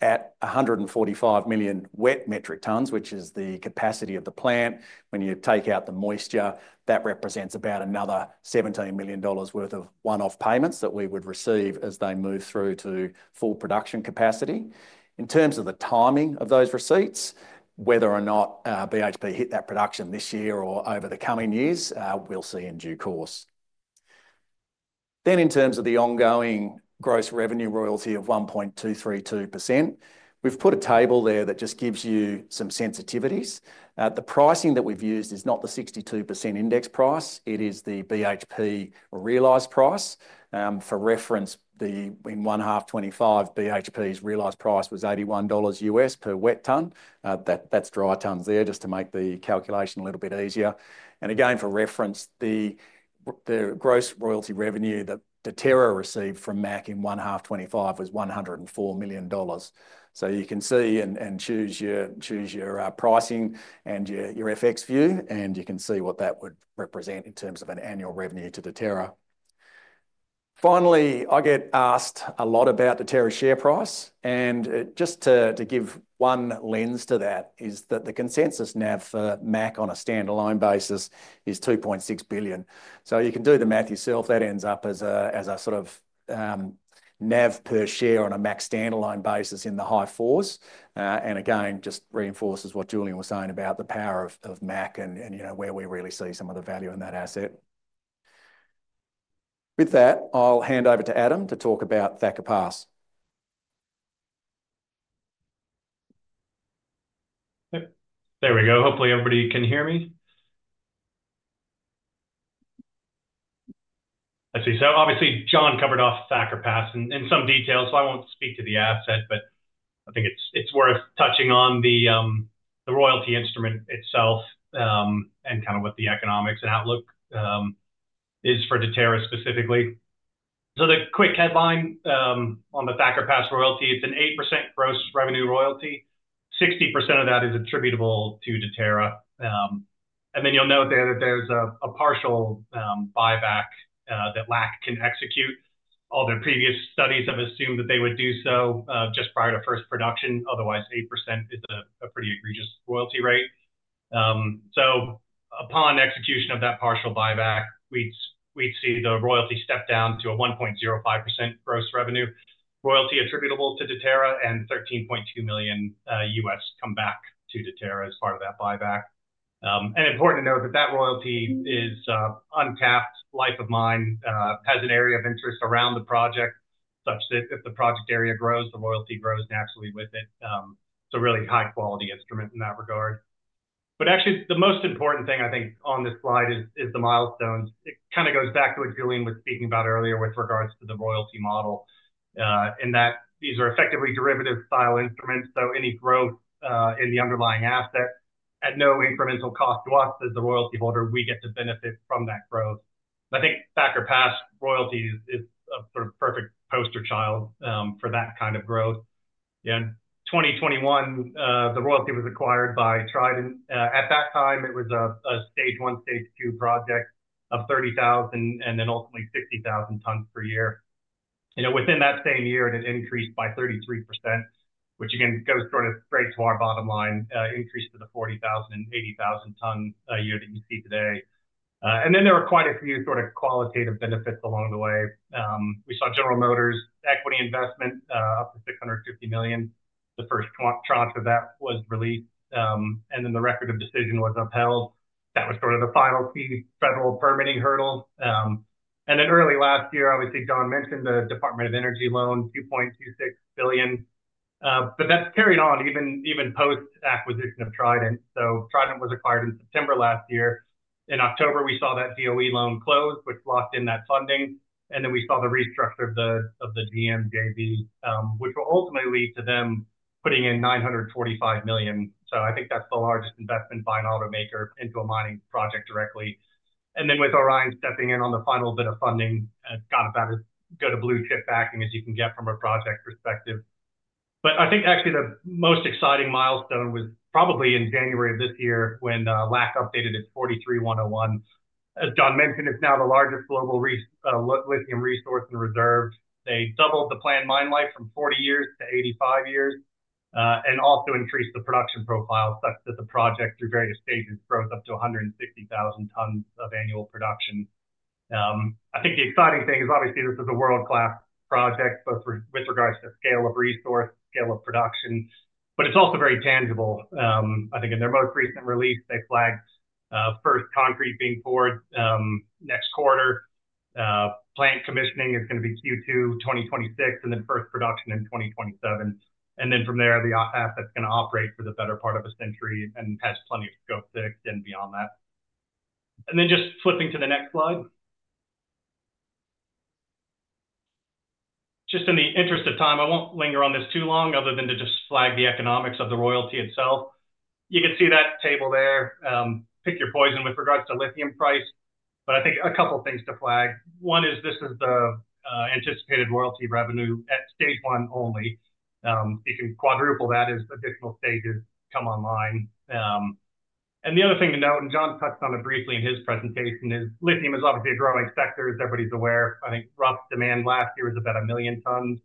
at 145 million wet metric tons, which is the capacity of the plant. When you take out the moisture, that represents about another $17 million worth of one-off payments that we would receive as they move through to full production capacity. In terms of the timing of those receipts, whether or not BHP hit that production this year or over the coming years, we'll see in due course. In terms of the ongoing gross revenue royalty of 1.232%, we've put a table there that just gives you some sensitivities. The pricing that we've used is not the 62% index price. It is the BHP realized price. For reference, in one half 2025, BHP's realized price was $81 US per wet ton. That, that's dry tons there just to make the calculation a little bit easier. For reference, the gross royalty revenue that Deterra received from MAC in one half 2025 was $104 million. You can see and choose your, choose your pricing and your FX view, and you can see what that would represent in terms of an annual revenue to Deterra. Finally, I get asked a lot about Deterra's share price. Just to give one lens to that is that the consensus NAV for MAC on a standalone basis is $2.6 billion. You can do the math yourself. That ends up as a sort of NAV per share on a MAC standalone basis in the high fours. Again, just reinforces what Julian was saying about the power of MAC and, you know, where we really see some of the value in that asset. With that, I'll hand over to Adam to talk about Thacker Pass. Yep. There we go. Hopefully everybody can hear me. I see. Obviously John covered off Thacker Pass in some detail. I won't speak to the asset, but I think it's worth touching on the royalty instrument itself, and kind of what the economics and outlook is for Deterra specifically. The quick headline on the Thacker Pass royalty, it's an 8% gross revenue royalty. 60% of that is attributable to Deterra. You'll note there that there's a partial buyback that LAC can execute. All their previous studies have assumed that they would do so just prior to first production. Otherwise, 8% is a pretty egregious royalty rate. Upon execution of that partial buyback, we'd see the royalty step down to a 1.05% gross revenue royalty attributable to Deterra and $13.2 million come back to Deterra as part of that buyback. and important to note that that royalty is, untapped life of mine, has an area of interest around the project such that if the project area grows, the royalty grows naturally with it. It's a really high quality instrument in that regard. Actually the most important thing I think on this slide is, is the milestones. It kind of goes back to what Julian was speaking about earlier with regards to the royalty model, and that these are effectively derivative style instruments. Any growth in the underlying asset at no incremental cost to us as the royalty holder, we get to benefit from that growth. I think Thacker Pass royalty is, is a sort of perfect poster child for that kind of growth. In 2021, the royalty was acquired by Trident. At that time it was a, a stage one, stage two project of 30,000 and then ultimately 60,000 tons per year. You know, within that same year it had increased by 33%, which again goes sort of straight to our bottom line, increase to the 40,000 and 80,000 ton a year that you see today. And then there were quite a few sort of qualitative benefits along the way. We saw General Motors equity investment, up to $650 million. The first tranche of that was released. And then the record of decision was upheld. That was sort of the final key federal permitting hurdle. Early last year, obviously John mentioned the Department of Energy loan, $2.26 billion. That has carried on even, even post acquisition of Trident. Trident was acquired in September last year. In October, we saw that DOE loan closed, which locked in that funding. Then we saw the restructure of the DMJV, which will ultimately lead to them putting in $945 million. I think that's the largest investment by an automaker into a mining project directly. With Orion stepping in on the final bit of funding, it's got about as good a blue chip backing as you can get from a project perspective. I think actually the most exciting milestone was probably in January of this year when LAC updated its 43101. As John mentioned, it's now the largest global lithium resource and reserve. They doubled the planned mine life from 40 years to 85 years, and also increased the production profile such that the project through various stages grows up to 160,000 tons of annual production. I think the exciting thing is obviously this is a world-class project both with regards to scale of resource, scale of production, but it's also very tangible. I think in their most recent release, they flagged first concrete being poured next quarter. Plant commissioning is gonna be Q2 2026 and then first production in 2027. From there, the asset's gonna operate for the better part of a century and has plenty of scope six and beyond that. Just flipping to the next slide. Just in the interest of time, I won't linger on this too long other than to just flag the economics of the royalty itself. You can see that table there. Pick your poison with regards to lithium price. I think a couple things to flag. One is this is the anticipated royalty revenue at stage one only. You can quadruple that as additional stages come online. The other thing to note, and John touched on it briefly in his presentation, is lithium is obviously a growing sector as everybody's aware. I think rough demand last year was about 1 million tons.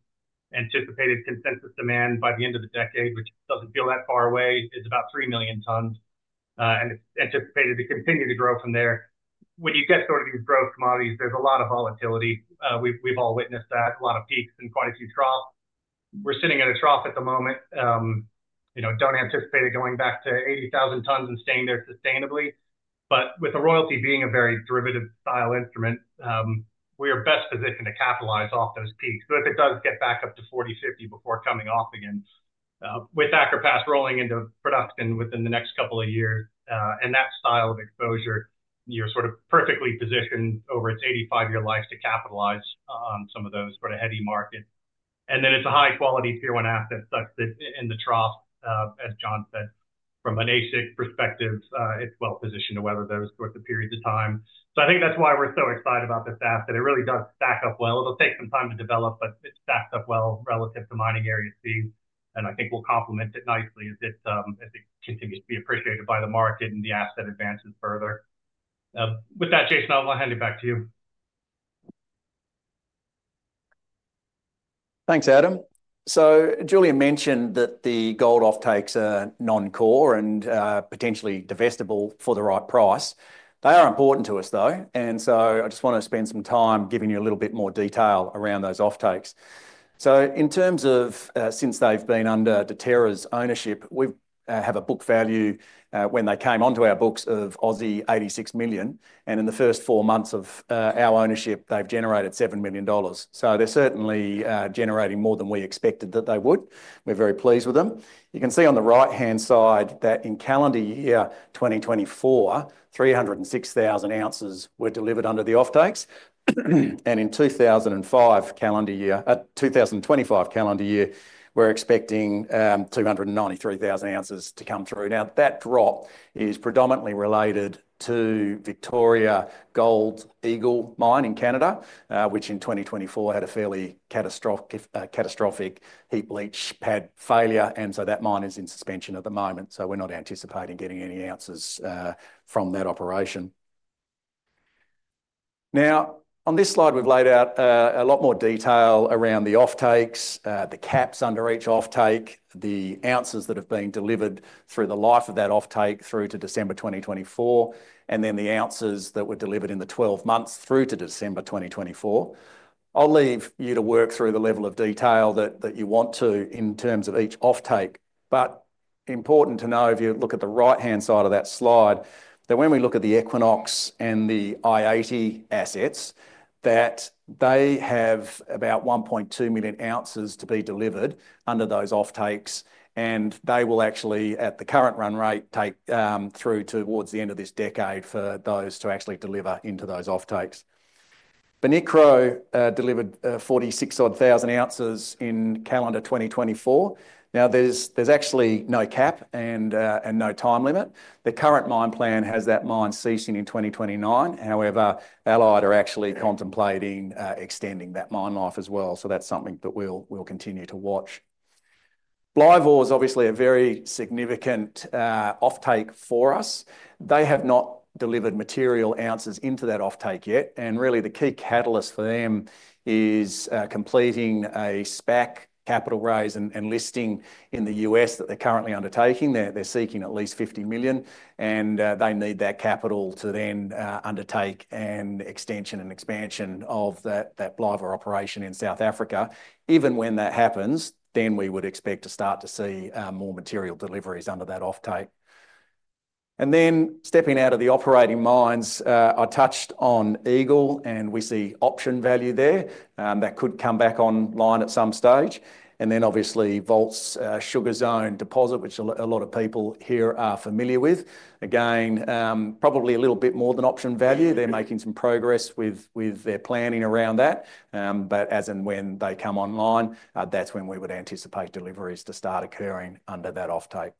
Anticipated consensus demand by the end of the decade, which does not feel that far away, is about 3 million tons. It is anticipated to continue to grow from there. When you get sort of these growth commodities, there is a lot of volatility. We have all witnessed that, a lot of peaks and quite a few troughs. We are sitting at a trough at the moment. You know, do not anticipate it going back to 80,000 tons and staying there sustainably. With the royalty being a very derivative style instrument, we are best positioned to capitalize off those peaks. If it does get back up to 40-50 before coming off again, with Thacker Pass rolling into production within the next couple of years, and that style of exposure, you're sort of perfectly positioned over its 85-year life to capitalize on some of those for a heavy market. It is a high quality tier one asset such that in the trough, as John said, from an ASIC perspective, it's well positioned to weather those sorts of periods of time. I think that's why we're so excited about this asset. It really does stack up well. It'll take some time to develop, but it stacks up well relative to Mining Area C. I think we'll complement it nicely as it continues to be appreciated by the market and the asset advances further. With that, Jason, I'll hand it back to you. Thanks, Adam. Julian mentioned that the Gold Offtakes are non-core and, potentially divestible for the right price. They are important to us though. I just wanna spend some time giving you a little bit more detail around those offtakes. In terms of, since they have been under Deterra's ownership, we have a book value, when they came onto our books of 86 million. In the first four months of our ownership, they have generated $7 million. They are certainly generating more than we expected that they would. We are very pleased with them. You can see on the right-hand side that in calendar year 2024, 306,000 ounces were delivered under the offtakes. In calendar year 2025, we are expecting 293,000 ounces to come through. Now that drop is predominantly related to Victoria Gold Eagle mine in Canada, which in 2024 had a fairly catastrophic, catastrophic heap leach pad failure. That mine is in suspension at the moment. We are not anticipating getting any ounces from that operation. On this slide, we have laid out a lot more detail around the offtakes, the caps under each offtake, the ounces that have been delivered through the life of that offtake through to December 2024, and then the ounces that were delivered in the 12 months through to December 2024. I will leave you to work through the level of detail that you want to in terms of each offtake. Important to know, if you look at the right-hand side of that slide, when we look at the Equinox and the i80 assets, they have about 1.2 million ounces to be delivered under those offtakes. They will actually, at the current run rate, take through towards the end of this decade for those to actually deliver into those offtakes. Bonikro delivered 46-odd thousand ounces in calendar 2024. Now, there is actually no cap and no time limit. The current mine plan has that mine ceasing in 2029. However, Allied are actually contemplating extending that mine life as well. That is something that we will continue to watch. Blivor is obviously a very significant offtake for us. They have not delivered material ounces into that offtake yet. Really the key catalyst for them is completing a SPAC capital raise and listing in the U.S. that they're currently undertaking. They're seeking at least $50 million, and they need that capital to then undertake an extension and expansion of that Blivor operation in South Africa. Even when that happens, we would expect to start to see more material deliveries under that offtake. Stepping out of the operating mines, I touched on Eagle and we see option value there. That could come back online at some stage. Obviously, Volt's Sugar Zone deposit, which a lot of people here are familiar with, again, probably a little bit more than option value. They're making some progress with their planning around that, but as and when they come online, that's when we would anticipate deliveries to start occurring under that offtake.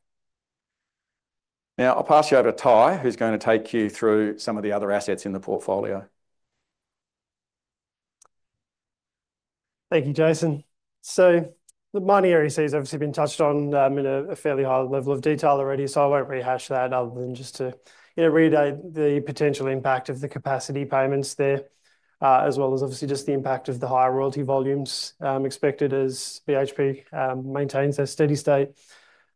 Now I'll pass you over to Ty, who's gonna take you through some of the other assets in the portfolio. Thank you, Jason. The Mining Area C has obviously been touched on, in a fairly high level of detail already. I won't rehash that other than just to, you know, read out the potential impact of the capacity payments there, as well as obviously just the impact of the higher royalty volumes, expected as BHP maintains their steady state,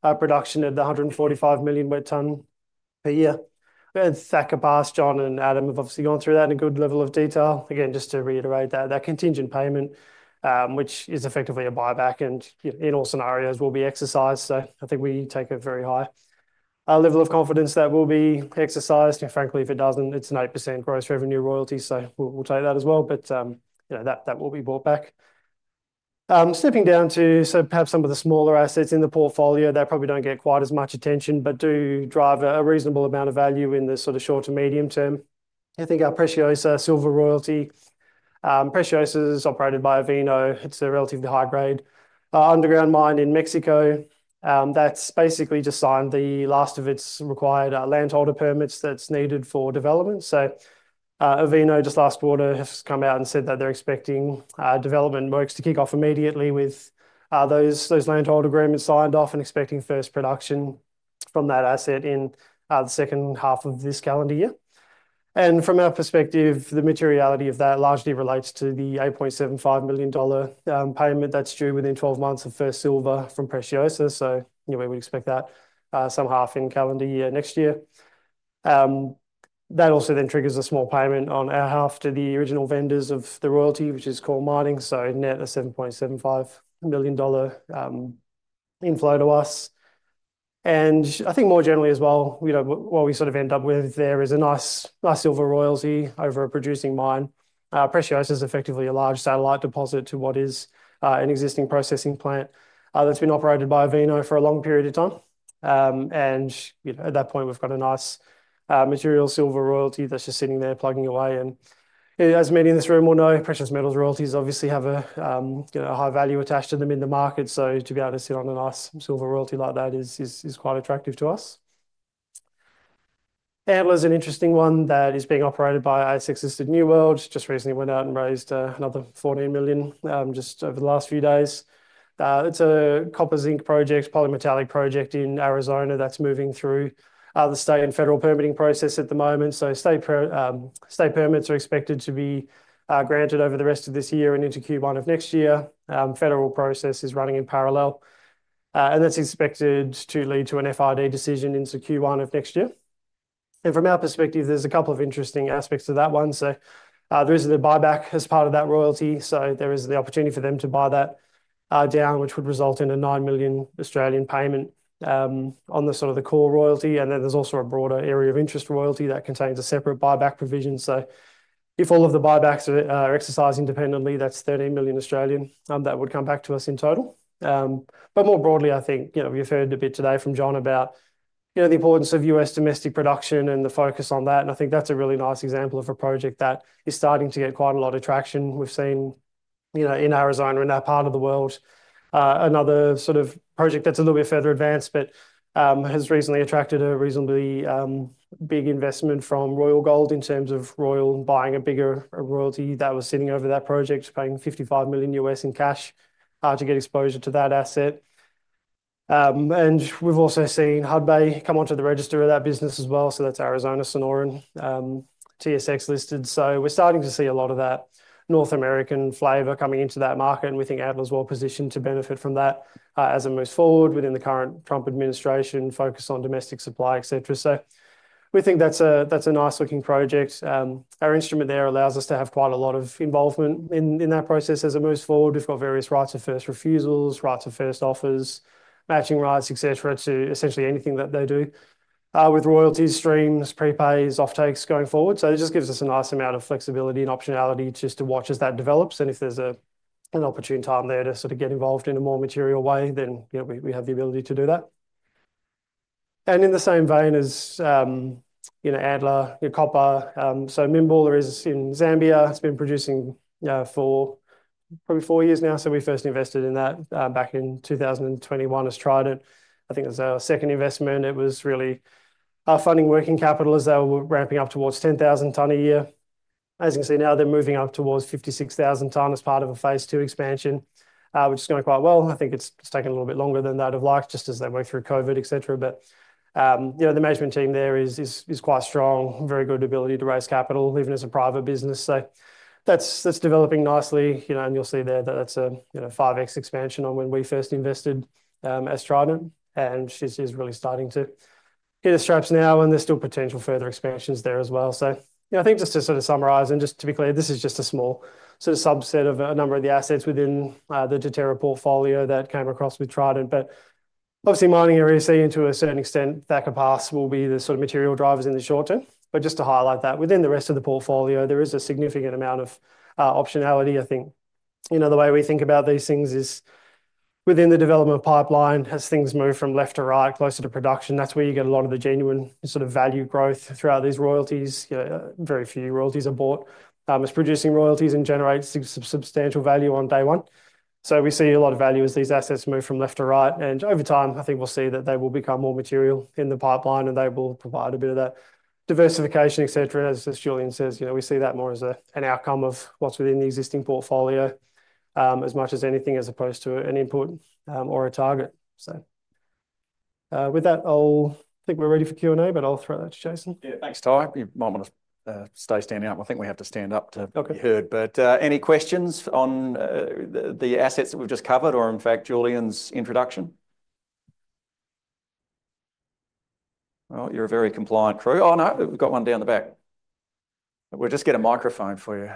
production at the 145 million wet ton per year. Thacker Pass, John and Adam have obviously gone through that in a good level of detail. Again, just to reiterate that, that contingent payment, which is effectively a buyback and, you know, in all scenarios will be exercised. I think we take a very high, level of confidence that will be exercised. Frankly, if it doesn't, it's an 8% gross revenue royalty. We'll take that as well. You know, that will be bought back. Stepping down to perhaps some of the smaller assets in the portfolio that probably don't get quite as much attention, but do drive a reasonable amount of value in the sort of short to medium term. I think our Preciosa Silver Royalty, Preciosa is operated by Avino. It's a relatively high grade, underground mine in Mexico. That's basically just signed the last of its required landholder permits that's needed for development. Avino just last quarter has come out and said that they're expecting development works to kick off immediately with those landholder agreements signed off and expecting first production from that asset in the second half of this calendar year. From our perspective, the materiality of that largely relates to the $8.75 million payment that's due within 12 months of first silver from Preciosa. You know, we would expect that somehow in calendar year next year. That also then triggers a small payment on our half to the original vendors of the royalty, which is Coal Mining. Net, a $7.75 million inflow to us. I think more generally as well, you know, what we sort of end up with there is a nice, nice silver royalty over a producing mine. Preciosa is effectively a large satellite deposit to what is an existing processing plant that's been operated by Avino for a long period of time. You know, at that point we've got a nice, material silver royalty that's just sitting there plugging away. As many in this room will know, precious metals royalties obviously have a, you know, a high value attached to them in the market. To be able to sit on a nice silver royalty like that is, is quite attractive to us. Antler's an interesting one that is being operated by ASX's sister New World. Just recently went out and raised another $14 million, just over the last few days. It's a copper zinc project, polymetallic project in Arizona that's moving through the state and federal permitting process at the moment. State permits are expected to be granted over the rest of this year and into Q1 of next year. Federal process is running in parallel, and that's expected to lead to an FRD decision into Q1 of next year. From our perspective, there's a couple of interesting aspects to that one. There is the buyback as part of that royalty. There is the opportunity for them to buy that down, which would result in an 9 million payment on the sort of the core royalty. There is also a broader area of interest royalty that contains a separate buyback provision. If all of the buybacks are exercised independently, that is 13 million that would come back to us in total. More broadly, I think, you know, we have heard a bit today from John about, you know, the importance of US domestic production and the focus on that. I think that is a really nice example of a project that is starting to get quite a lot of traction. We've seen, you know, in Arizona and that part of the world, another sort of project that's a little bit further advanced, but has recently attracted a reasonably big investment from Royal Gold in terms of Royal buying a bigger royalty that was sitting over that project, paying $55 million in cash to get exposure to that asset. We've also seen Hudbay come onto the register of that business as well. That is Arizona Sonoran, TSX listed. We're starting to see a lot of that North American flavor coming into that market. We think Antler's well positioned to benefit from that, as it moves forward within the current Trump administration, focus on domestic supply, et cetera. We think that's a nice looking project. Our instrument there allows us to have quite a lot of involvement in, in that process as it moves forward. We've got various rights of first refusals, rights of first offers, matching rights, et cetera, to essentially anything that they do, with royalties, streams, prepays, offtakes going forward. It just gives us a nice amount of flexibility and optionality just to watch as that develops. If there's a, an opportune time there to sort of get involved in a more material way, then, you know, we, we have the ability to do that. In the same vein as, you know, Antler, you know, copper. Minbull, there is in Zambia, it's been producing, you know, for probably four years now. We first invested in that, back in 2021 as Trident. I think it was our second investment. It was really funding working capital as they were ramping up towards 10,000 ton a year. As you can see now, they're moving up towards 56,000 ton as part of a phase two expansion, which is going quite well. I think it's taken a little bit longer than they'd have liked just as they went through COVID, et cetera. You know, the management team there is quite strong, very good ability to raise capital, even as a private business. That's developing nicely, you know, and you'll see there that that's a five X expansion on when we first invested, as Trident. She's just really starting to hit her straps now, and there's still potential further expansions there as well. You know, I think just to sort of summarize and just to be clear, this is just a small sort of subset of a number of the assets within the Deterra portfolio that came across with Trident. Obviously, Mining Area C and to a certain extent, Thacker Pass will be the sort of material drivers in the short term. Just to highlight that within the rest of the portfolio, there is a significant amount of optionality. I think, you know, the way we think about these things is within the development pipeline, as things move from left to right, closer to production, that's where you get a lot of the genuine sort of value growth throughout these royalties. You know, very few royalties are bought as producing royalties and generate substantial value on day one. We see a lot of value as these assets move from left to right. Over time, I think we'll see that they will become more material in the pipeline and they will provide a bit of that diversification, et cetera. As Julian says, you know, we see that more as an outcome of what's within the existing portfolio, as much as anything as opposed to an input, or a target. With that, I think we're ready for Q&A, but I'll throw that to Jason. Yeah, thanks Ty. You might want to stay standing up. I think we have to stand up to be heard. Any questions on the assets that we've just covered or in fact Julian's introduction? You're a very compliant crew. Oh no, we've got one down the back. We'll just get a microphone for you.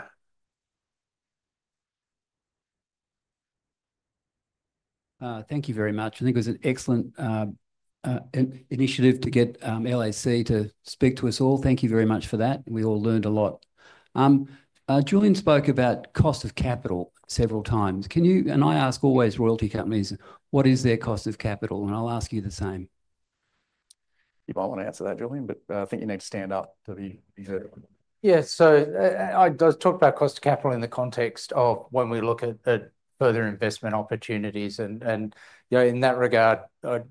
Thank you very much. I think it was an excellent initiative to get LAC to speak to us all. Thank you very much for that. We all learned a lot. Julian spoke about cost of capital several times. Can you, and I ask always royalty companies, what is their cost of capital? And I'll ask you the same. You might wanna answer that, Julian, but I think you need to stand up to be. Yeah. I do talk about cost of capital in the context of when we look at further investment opportunities. You know, in that regard, I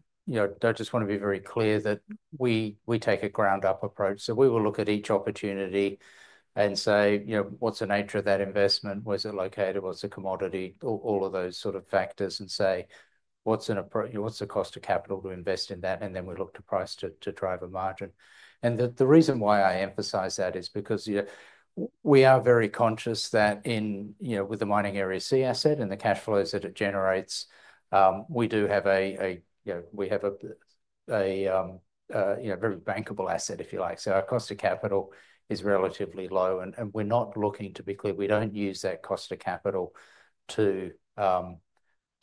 just wanna be very clear that we take a ground up approach. We will look at each opportunity and say, you know, what's the nature of that investment? Where's it located? What's the commodity? All of those sort of factors and say, what's an approach, what's the cost of capital to invest in that? And then we look to price to drive a margin. The reason why I emphasize that is because, you know, we are very conscious that in, you know, with the Mining Area C asset and the cash flows that it generates, we do have a, you know, we have a, you know, very bankable asset, if you like. Our cost of capital is relatively low and we're not looking to be clear, we don't use that cost of capital to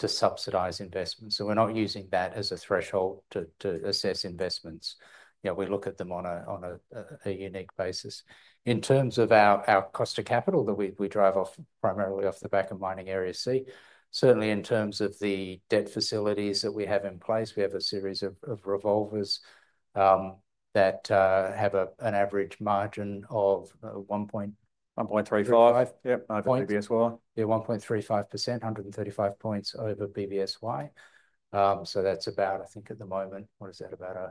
subsidize investments. We're not using that as a threshold to assess investments. You know, we look at them on a, on a unique basis in terms of our, our cost of capital that we drive off primarily off the back of Mining Area C. Certainly in terms of the debt facilities that we have in place, we have a series of revolvers that have an average margin of 1.35%. Yep. Over BBSY. Yeah. 1.35%, 135 basis points over BBSY. That is about, I think at the moment, what is that, about 5%?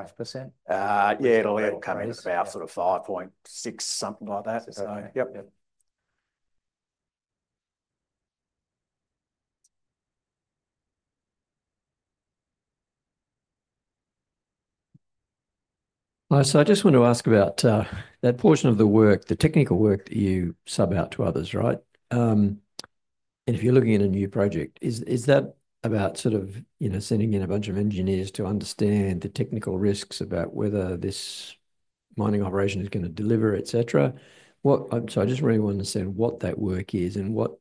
Yeah. It will come in about sort of 5.6%, something like that. Yep. Yep. I just want to ask about that portion of the work, the technical work that you sub out to others, right? And if you're looking at a new project, is that about sort of, you know, sending in a bunch of engineers to understand the technical risks about whether this mining operation is gonna deliver, et cetera? What, I'm sorry, I just really wanted to say what that work is and what,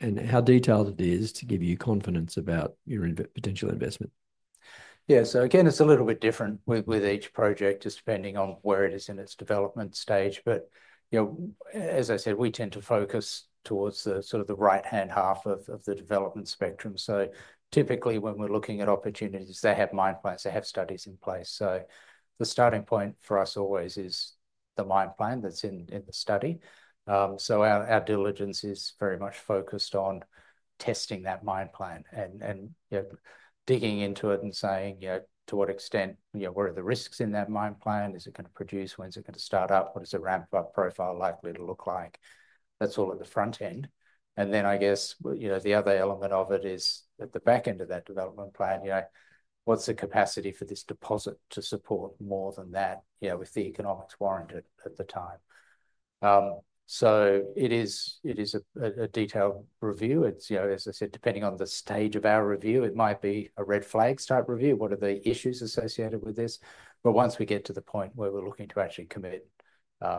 and how detailed it is to give you confidence about your potential investment. Yeah. Again, it's a little bit different with each project, just depending on where it is in its development stage. But, you know, as I said, we tend to focus towards the sort of the right hand half of the development spectrum. Typically when we're looking at opportunities, they have mine plans, they have studies in place. The starting point for us always is the mine plan that's in the study. Our diligence is very much focused on testing that mine plan and, you know, digging into it and saying, you know, to what extent, you know, what are the risks in that mine plan? Is it gonna produce? When's it gonna start up? What is a ramp up profile likely to look like? That's all at the front end. I guess, you know, the other element of it is at the back end of that development plan, you know, what's the capacity for this deposit to support more than that, you know, with the economics warranted at the time? It is a detailed review. It's, you know, as I said, depending on the stage of our review, it might be a red flags type review. What are the issues associated with this? Once we get to the point where we're looking to actually commit,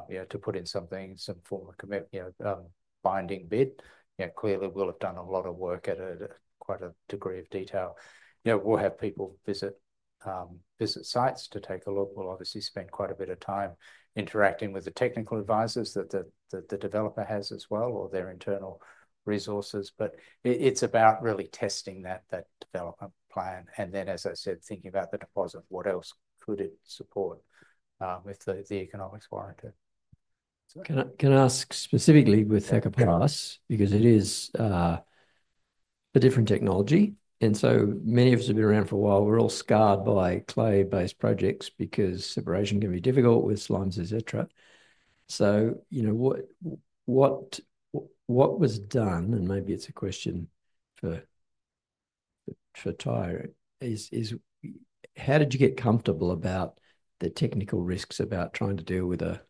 you know, to put in something, some form of commit, you know, binding bid, you know, clearly we'll have done a lot of work at a, quite a degree of detail, you know, we'll have people visit, visit sites to take a look. We'll obviously spend quite a bit of time interacting with the technical advisors that the, the, the developer has as well or their internal resources. It is about really testing that, that development plan. As I said, thinking about the deposit, what else could it support, with the, the economics warranted? Can I, can I ask specifically with Thacker Pass? Because it is, a different technology. And so many of us have been around for a while. We're all scarred by clay based projects because separation can be difficult with slimes, et cetera. You know, what was done, and maybe it's a question for Ty, is how did you get comfortable about the technical risks about trying to deal with a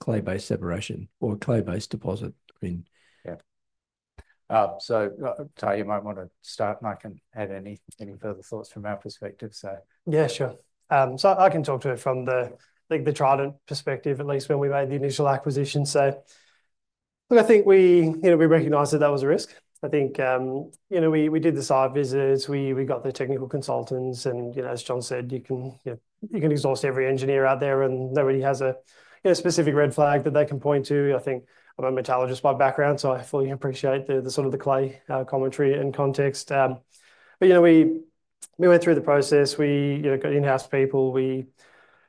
clay based separation or a clay based deposit? I mean, yeah. Ty, you might wanna start and I can add any further thoughts from our perspective. Yeah, sure. I can talk to it from the, I think, the Trident perspective, at least when we made the initial acquisition. Look, I think we recognized that that was a risk. I think, you know, we did the site visits, we got the technical consultants and, you know, as John said, you can, you know, you can exhaust every engineer out there and nobody has a, you know, specific red flag that they can point to. I think I'm a metallurgist by background, so I fully appreciate the, the sort of the clay, commentary and context. But, you know, we went through the process, we, you know, got in-house people, we,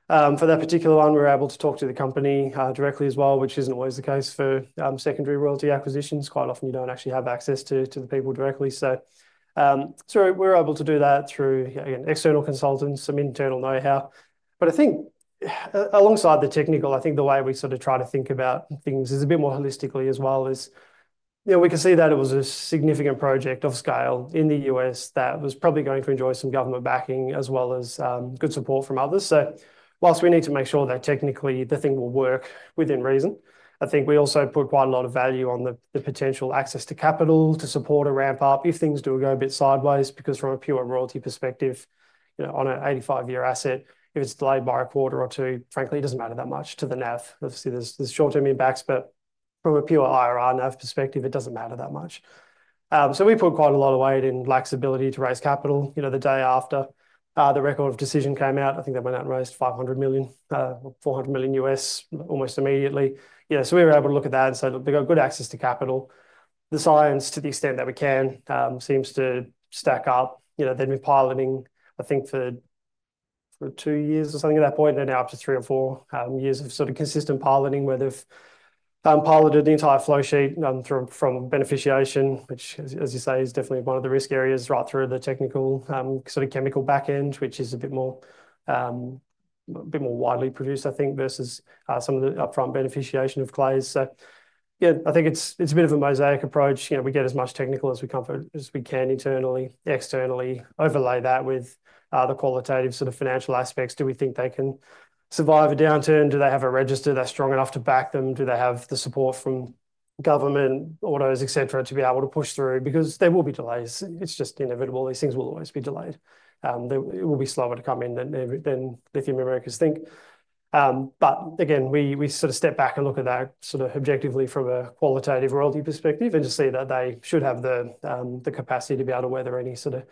for that particular one, we were able to talk to the company directly as well, which isn't always the case for secondary royalty acquisitions. Quite often you don't actually have access to the people directly. So we were able to do that through, again, external consultants, some internal know-how. I think alongside the technical, I think the way we sort of try to think about things is a bit more holistically as well as, you know, we can see that it was a significant project of scale in the US that was probably going to enjoy some government backing as well as good support from others. Whilst we need to make sure that technically the thing will work within reason, I think we also put quite a lot of value on the potential access to capital to support a ramp up if things do go a bit sideways. Because from a pure royalty perspective, you know, on an 85 year asset, if it's delayed by a quarter or two, frankly, it does not matter that much to the NAV. Obviously there are short term impacts, but from a pure IRR NAV perspective, it does not matter that much. We put quite a lot of weight in LAC's ability to raise capital, you know, the day after the record of decision came out. I think they went out and raised $500 million, $400 million US almost immediately. Yeah. We were able to look at that and say, look, we've got good access to capital. The science, to the extent that we can, seems to stack up, you know, then we're piloting, I think for two years or something at that point, and then now up to three or four years of sort of consistent piloting where they've piloted the entire flow sheet through from beneficiation, which, as you say, is definitely one of the risk areas, right through the technical, sort of chemical backend, which is a bit more, a bit more widely produced, I think, versus some of the upfront beneficiation of clays. Yeah, I think it's a bit of a mosaic approach. You know, we get as much technical as we comfort as we can internally, externally overlay that with the qualitative sort of financial aspects. Do we think they can survive a downturn? Do they have a register that's strong enough to back them? Do they have the support from government, autos, et cetera, to be able to push through? Because there will be delays. It's just inevitable. These things will always be delayed. It will be slower to come in than every, than Lithium Americas think. Again, we sort of step back and look at that sort of objectively from a qualitative royalty perspective and just see that they should have the capacity to be able to weather any sort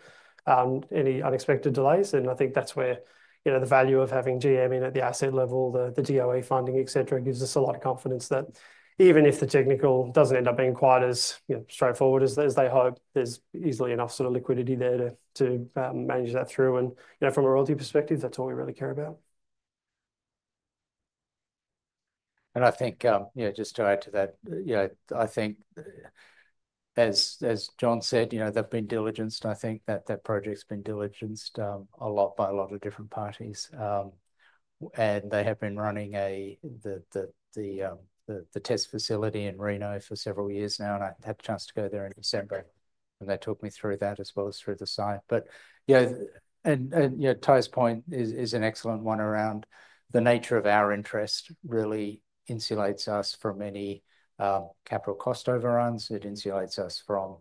of, any unexpected delays. I think that's where, you know, the value of having GM in at the asset level, the DOE funding, et cetera, gives us a lot of confidence that even if the technical doesn't end up being quite as, you know, straightforward as they hope, there's easily enough sort of liquidity there to manage that through. You know, from a royalty perspective, that's all we really care about. I think, you know, just to add to that, you know, I think as John said, you know, they've been diligenced. I think that project's been diligenced a lot by a lot of different parties, and they have been running the test facility in Reno for several years now. I had a chance to go there in December and they took me through that as well as through the site. You know, Ty's point is an excellent one around the nature of our interest really insulates us from any capital cost overruns. It insulates us from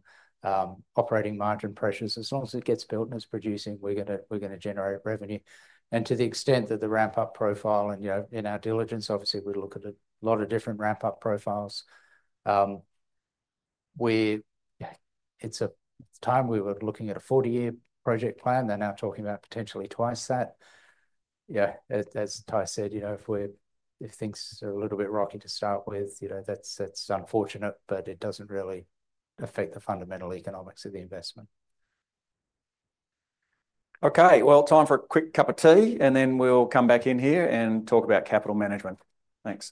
operating margin pressures. As long as it gets built and it is producing, we are gonna generate revenue. To the extent that the ramp up profile and, you know, in our diligence, obviously we look at a lot of different ramp up profiles. At the time we were looking at a 40 year project plan. They are now talking about potentially twice that. Yeah. As Ty said, you know, if we're, if things are a little bit rocky to start with, you know, that's unfortunate, but it doesn't really affect the fundamental economics of the investment. Okay. Time for a quick cup of tea and then we'll come back in here and talk about capital management. Thanks.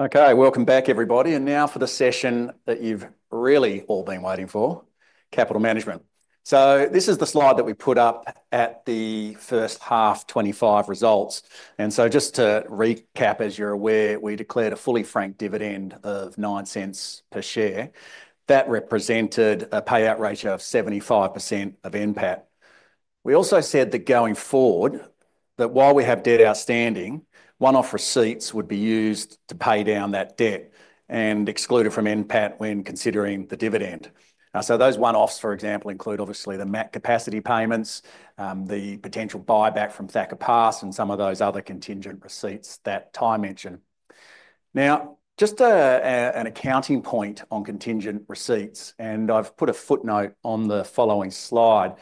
Okay, welcome back everybody. Now for the session that you've really all been waiting for, capital management. This is the slide that we put up at the first half 2025 results. Just to recap, as you're aware, we declared a fully franked dividend of 0.09 per share. That represented a payout ratio of 75% of NPAT. We also said that going forward, that while we have debt outstanding, one-off receipts would be used to pay down that debt and exclude it from NPAT when considering the dividend. Those one-offs, for example, include obviously the MAT capacity payments, the potential buyback from Thacker Pass, and some of those other contingent receipts that Ty mentioned. Now, just an accounting point on contingent receipts, and I have put a footnote on the following slide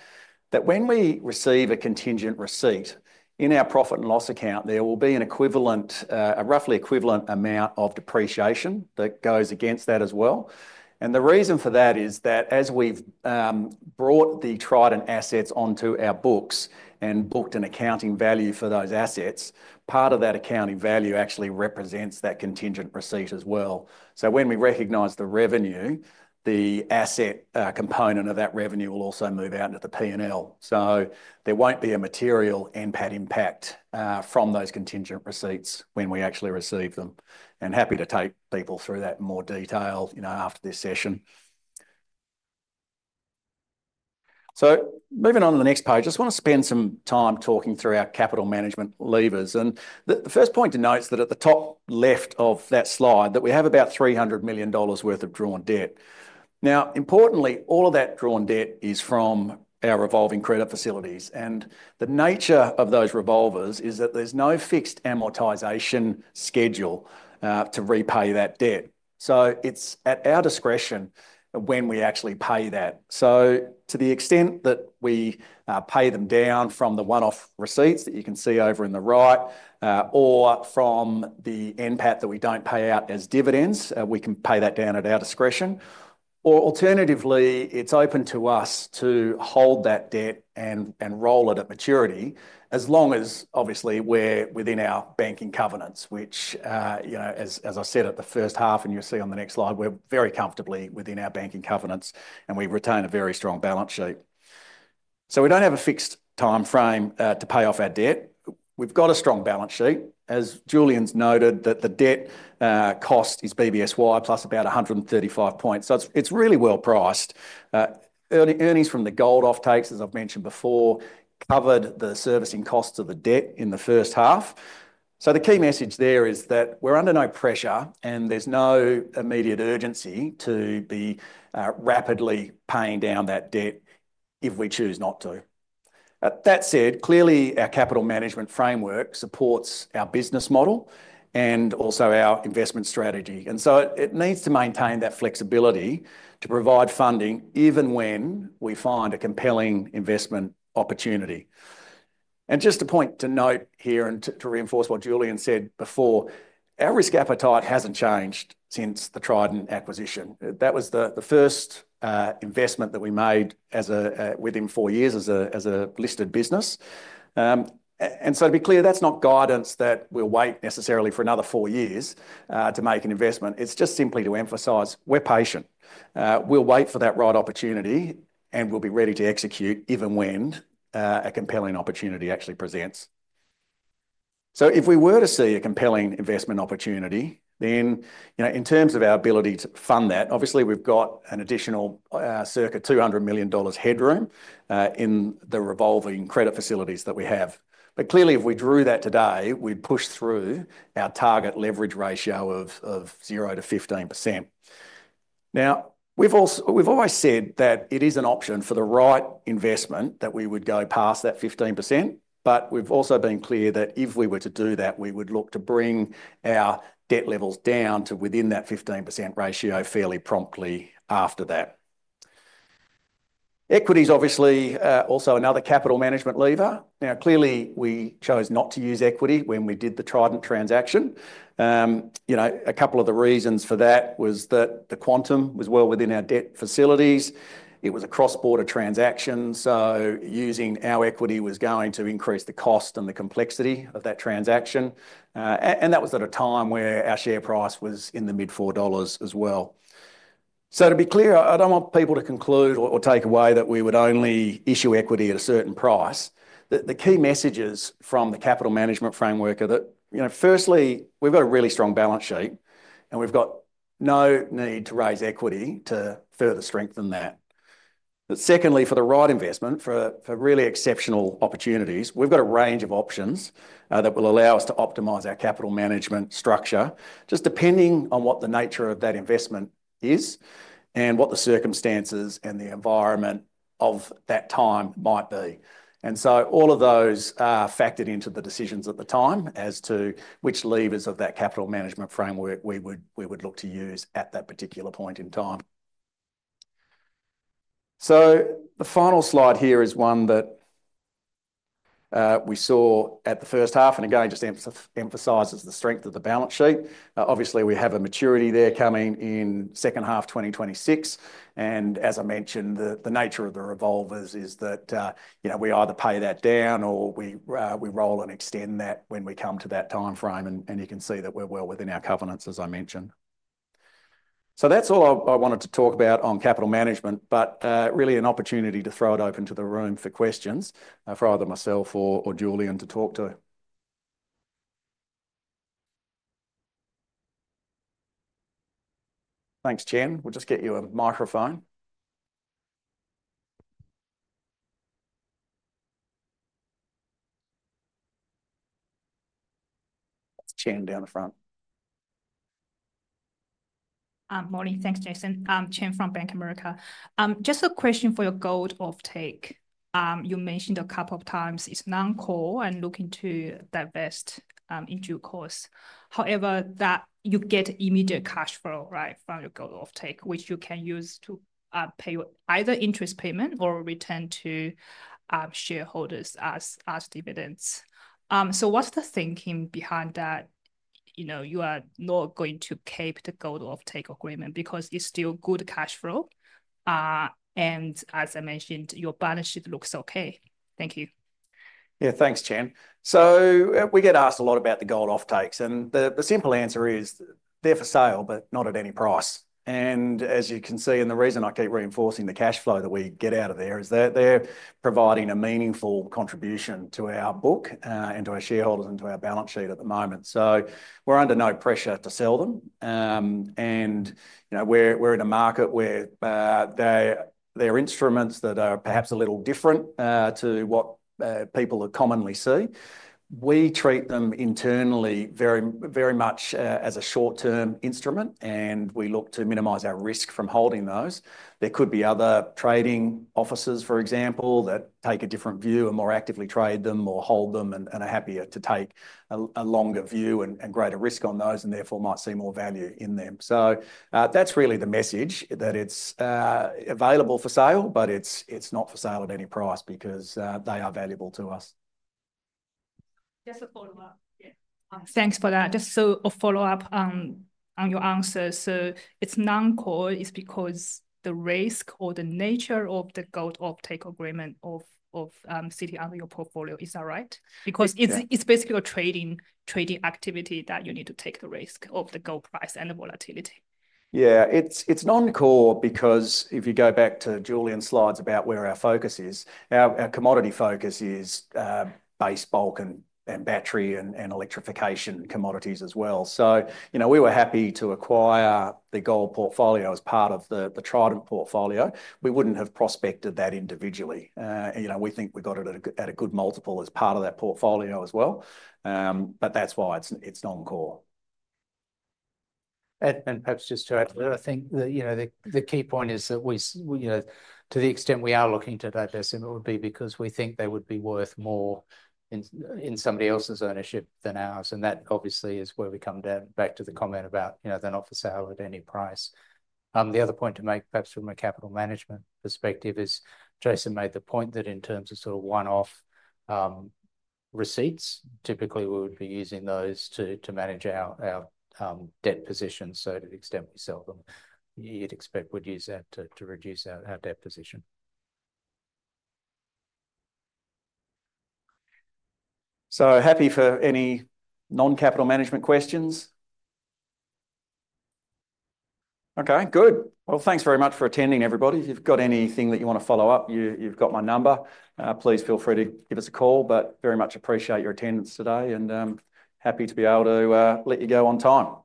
that when we receive a contingent receipt in our profit and loss account, there will be an equivalent, a roughly equivalent amount of depreciation that goes against that as well. The reason for that is that as we have brought the Trident assets onto our books and booked an accounting value for those assets, part of that accounting value actually represents that contingent receipt as well. When we recognize the revenue, the asset component of that revenue will also move out into the P&L. There will not be a material NPAT impact from those contingent receipts when we actually receive them. Happy to take people through that in more detail, you know, after this session. Moving on to the next page, I just want to spend some time talking through our capital management levers. The first point to note is that at the top left of that slide, we have about $300 million worth of drawn debt. Now, importantly, all of that drawn debt is from our revolving credit facilities. The nature of those revolvers is that there is no fixed amortization schedule to repay that debt. It is at our discretion when we actually pay that. To the extent that we pay them down from the one-off receipts that you can see over on the right, or from the NPAT that we do not pay out as dividends, we can pay that down at our discretion. Alternatively, it's open to us to hold that debt and roll it at maturity as long as, obviously, we're within our banking covenants, which, you know, as I said at the first half, and you'll see on the next slide, we're very comfortably within our banking covenants and we retain a very strong balance sheet. We don't have a fixed timeframe to pay off our debt. We've got a strong balance sheet. As Julian's noted, the debt cost is BBSY plus about 135 basis points. It's really well priced. Earnings from the Gold Offtakes, as I've mentioned before, covered the servicing costs of the debt in the first half. The key message there is that we're under no pressure and there's no immediate urgency to be rapidly paying down that debt if we choose not to. That said, clearly our capital management framework supports our business model and also our investment strategy. It needs to maintain that flexibility to provide funding even when we find a compelling investment opportunity. Just a point to note here and to reinforce what Julian said before, our risk appetite has not changed since the Trident acquisition. That was the first investment that we made within four years as a listed business. To be clear, that is not guidance that we will wait necessarily for another four years to make an investment. It is simply to emphasize we are patient. We will wait for that right opportunity and we will be ready to execute even when a compelling opportunity actually presents. If we were to see a compelling investment opportunity, then in terms of our ability to fund that, obviously we've got an additional circa 200 million dollars headroom in the revolving credit facilities that we have. Clearly if we drew that today, we'd push through our target leverage ratio of 0-15%. Now, we've always said that it is an option for the right investment that we would go past that 15%, but we've also been clear that if we were to do that, we would look to bring our debt levels down to within that 15% ratio fairly promptly after that. Equity is obviously also another capital management lever. Clearly we chose not to use equity when we did the Trident transaction. You know, a couple of the reasons for that was that the quantum was well within our debt facilities. It was a cross-border transaction, so using our equity was going to increase the cost and the complexity of that transaction. That was at a time where our share price was in the mid four dollars as well. To be clear, I do not want people to conclude or take away that we would only issue equity at a certain price. The key messages from the capital management framework are that, you know, firstly, we have got a really strong balance sheet and we have got no need to raise equity to further strengthen that. Secondly, for the right investment, for really exceptional opportunities, we have got a range of options that will allow us to optimize our capital management structure just depending on what the nature of that investment is and what the circumstances and the environment of that time might be. All of those are factored into the decisions at the time as to which levers of that capital management framework we would look to use at that particular point in time. The final slide here is one that we saw at the first half and again just emphasizes the strength of the balance sheet. Obviously, we have a maturity there coming in second half 2026. As I mentioned, the nature of the revolvers is that, you know, we either pay that down or we roll and extend that when we come to that timeframe. You can see that we are well within our covenants, as I mentioned. That is all I wanted to talk about on capital management, but really an opportunity to throw it open to the room for questions for either myself or Julian to talk to. Thanks, Chen. We'll just get you a microphone. Chen down the front. Morning. Thanks, Jason. Chen from Bank of America. Just a question for your Gold Offtake. You mentioned a couple of times it's non-core and looking to divest in due course. However, you get immediate cash flow, right, from your Gold Offtake, which you can use to pay either interest payment or return to shareholders as dividends. What's the thinking behind that? You know, you are not going to keep the Gold Offtake agreement because it's still good cash flow. As I mentioned, your balance sheet looks okay. Thank you. Yeah, thanks, Chen. We get asked a lot about the Gold Offtakes and the simple answer is they're for sale, but not at any price. As you can see, and the reason I keep reinforcing the cash flow that we get out of there is that they're providing a meaningful contribution to our book and to our shareholders and to our balance sheet at the moment. We're under no pressure to sell them. You know, we're in a market where their instruments that are perhaps a little different to what people commonly see. We treat them internally very, very much as a short-term instrument and we look to minimize our risk from holding those. There could be other trading officers, for example, that take a different view and more actively trade them or hold them and are happier to take a longer view and greater risk on those and therefore might see more value in them. That's really the message that it's available for sale, but it's not for sale at any price because they are valuable to us. Just a follow-up. Yeah. Thanks for that. Just a follow-up on your answer. It's non-core because the risk or the nature of the Gold Offtake agreement of sitting under your portfolio, is that right? Because it's basically a trading activity that you need to take the risk of the gold price and the volatility. Yeah, it's non-core because if you go back to Julian's slides about where our focus is, our commodity focus is Base, Bulk, and Battery and Electrification Commodities as well. You know, we were happy to acquire the gold portfolio as part of the Trident portfolio. We wouldn't have prospected that individually. You know, we think we got it at a good multiple as part of that portfolio as well. That is why it is non-core. Perhaps just to add to that, I think the key point is that we, you know, to the extent we are looking to divest them, it would be because we think they would be worth more in somebody else's ownership than ours. That obviously is where we come down back to the comment about, you know, they are not for sale at any price. The other point to make perhaps from a capital management perspective is Jason made the point that in terms of sort of one-off receipts, typically we would be using those to manage our debt position. To the extent we sell them, you would expect we would use that to reduce our debt position. Happy for any non-capital management questions. Okay, good. Thanks very much for attending, everybody. If you've got anything that you want to follow up, you've got my number. Please feel free to give us a call, very much appreciate your attendance today and happy to be able to let you go on time.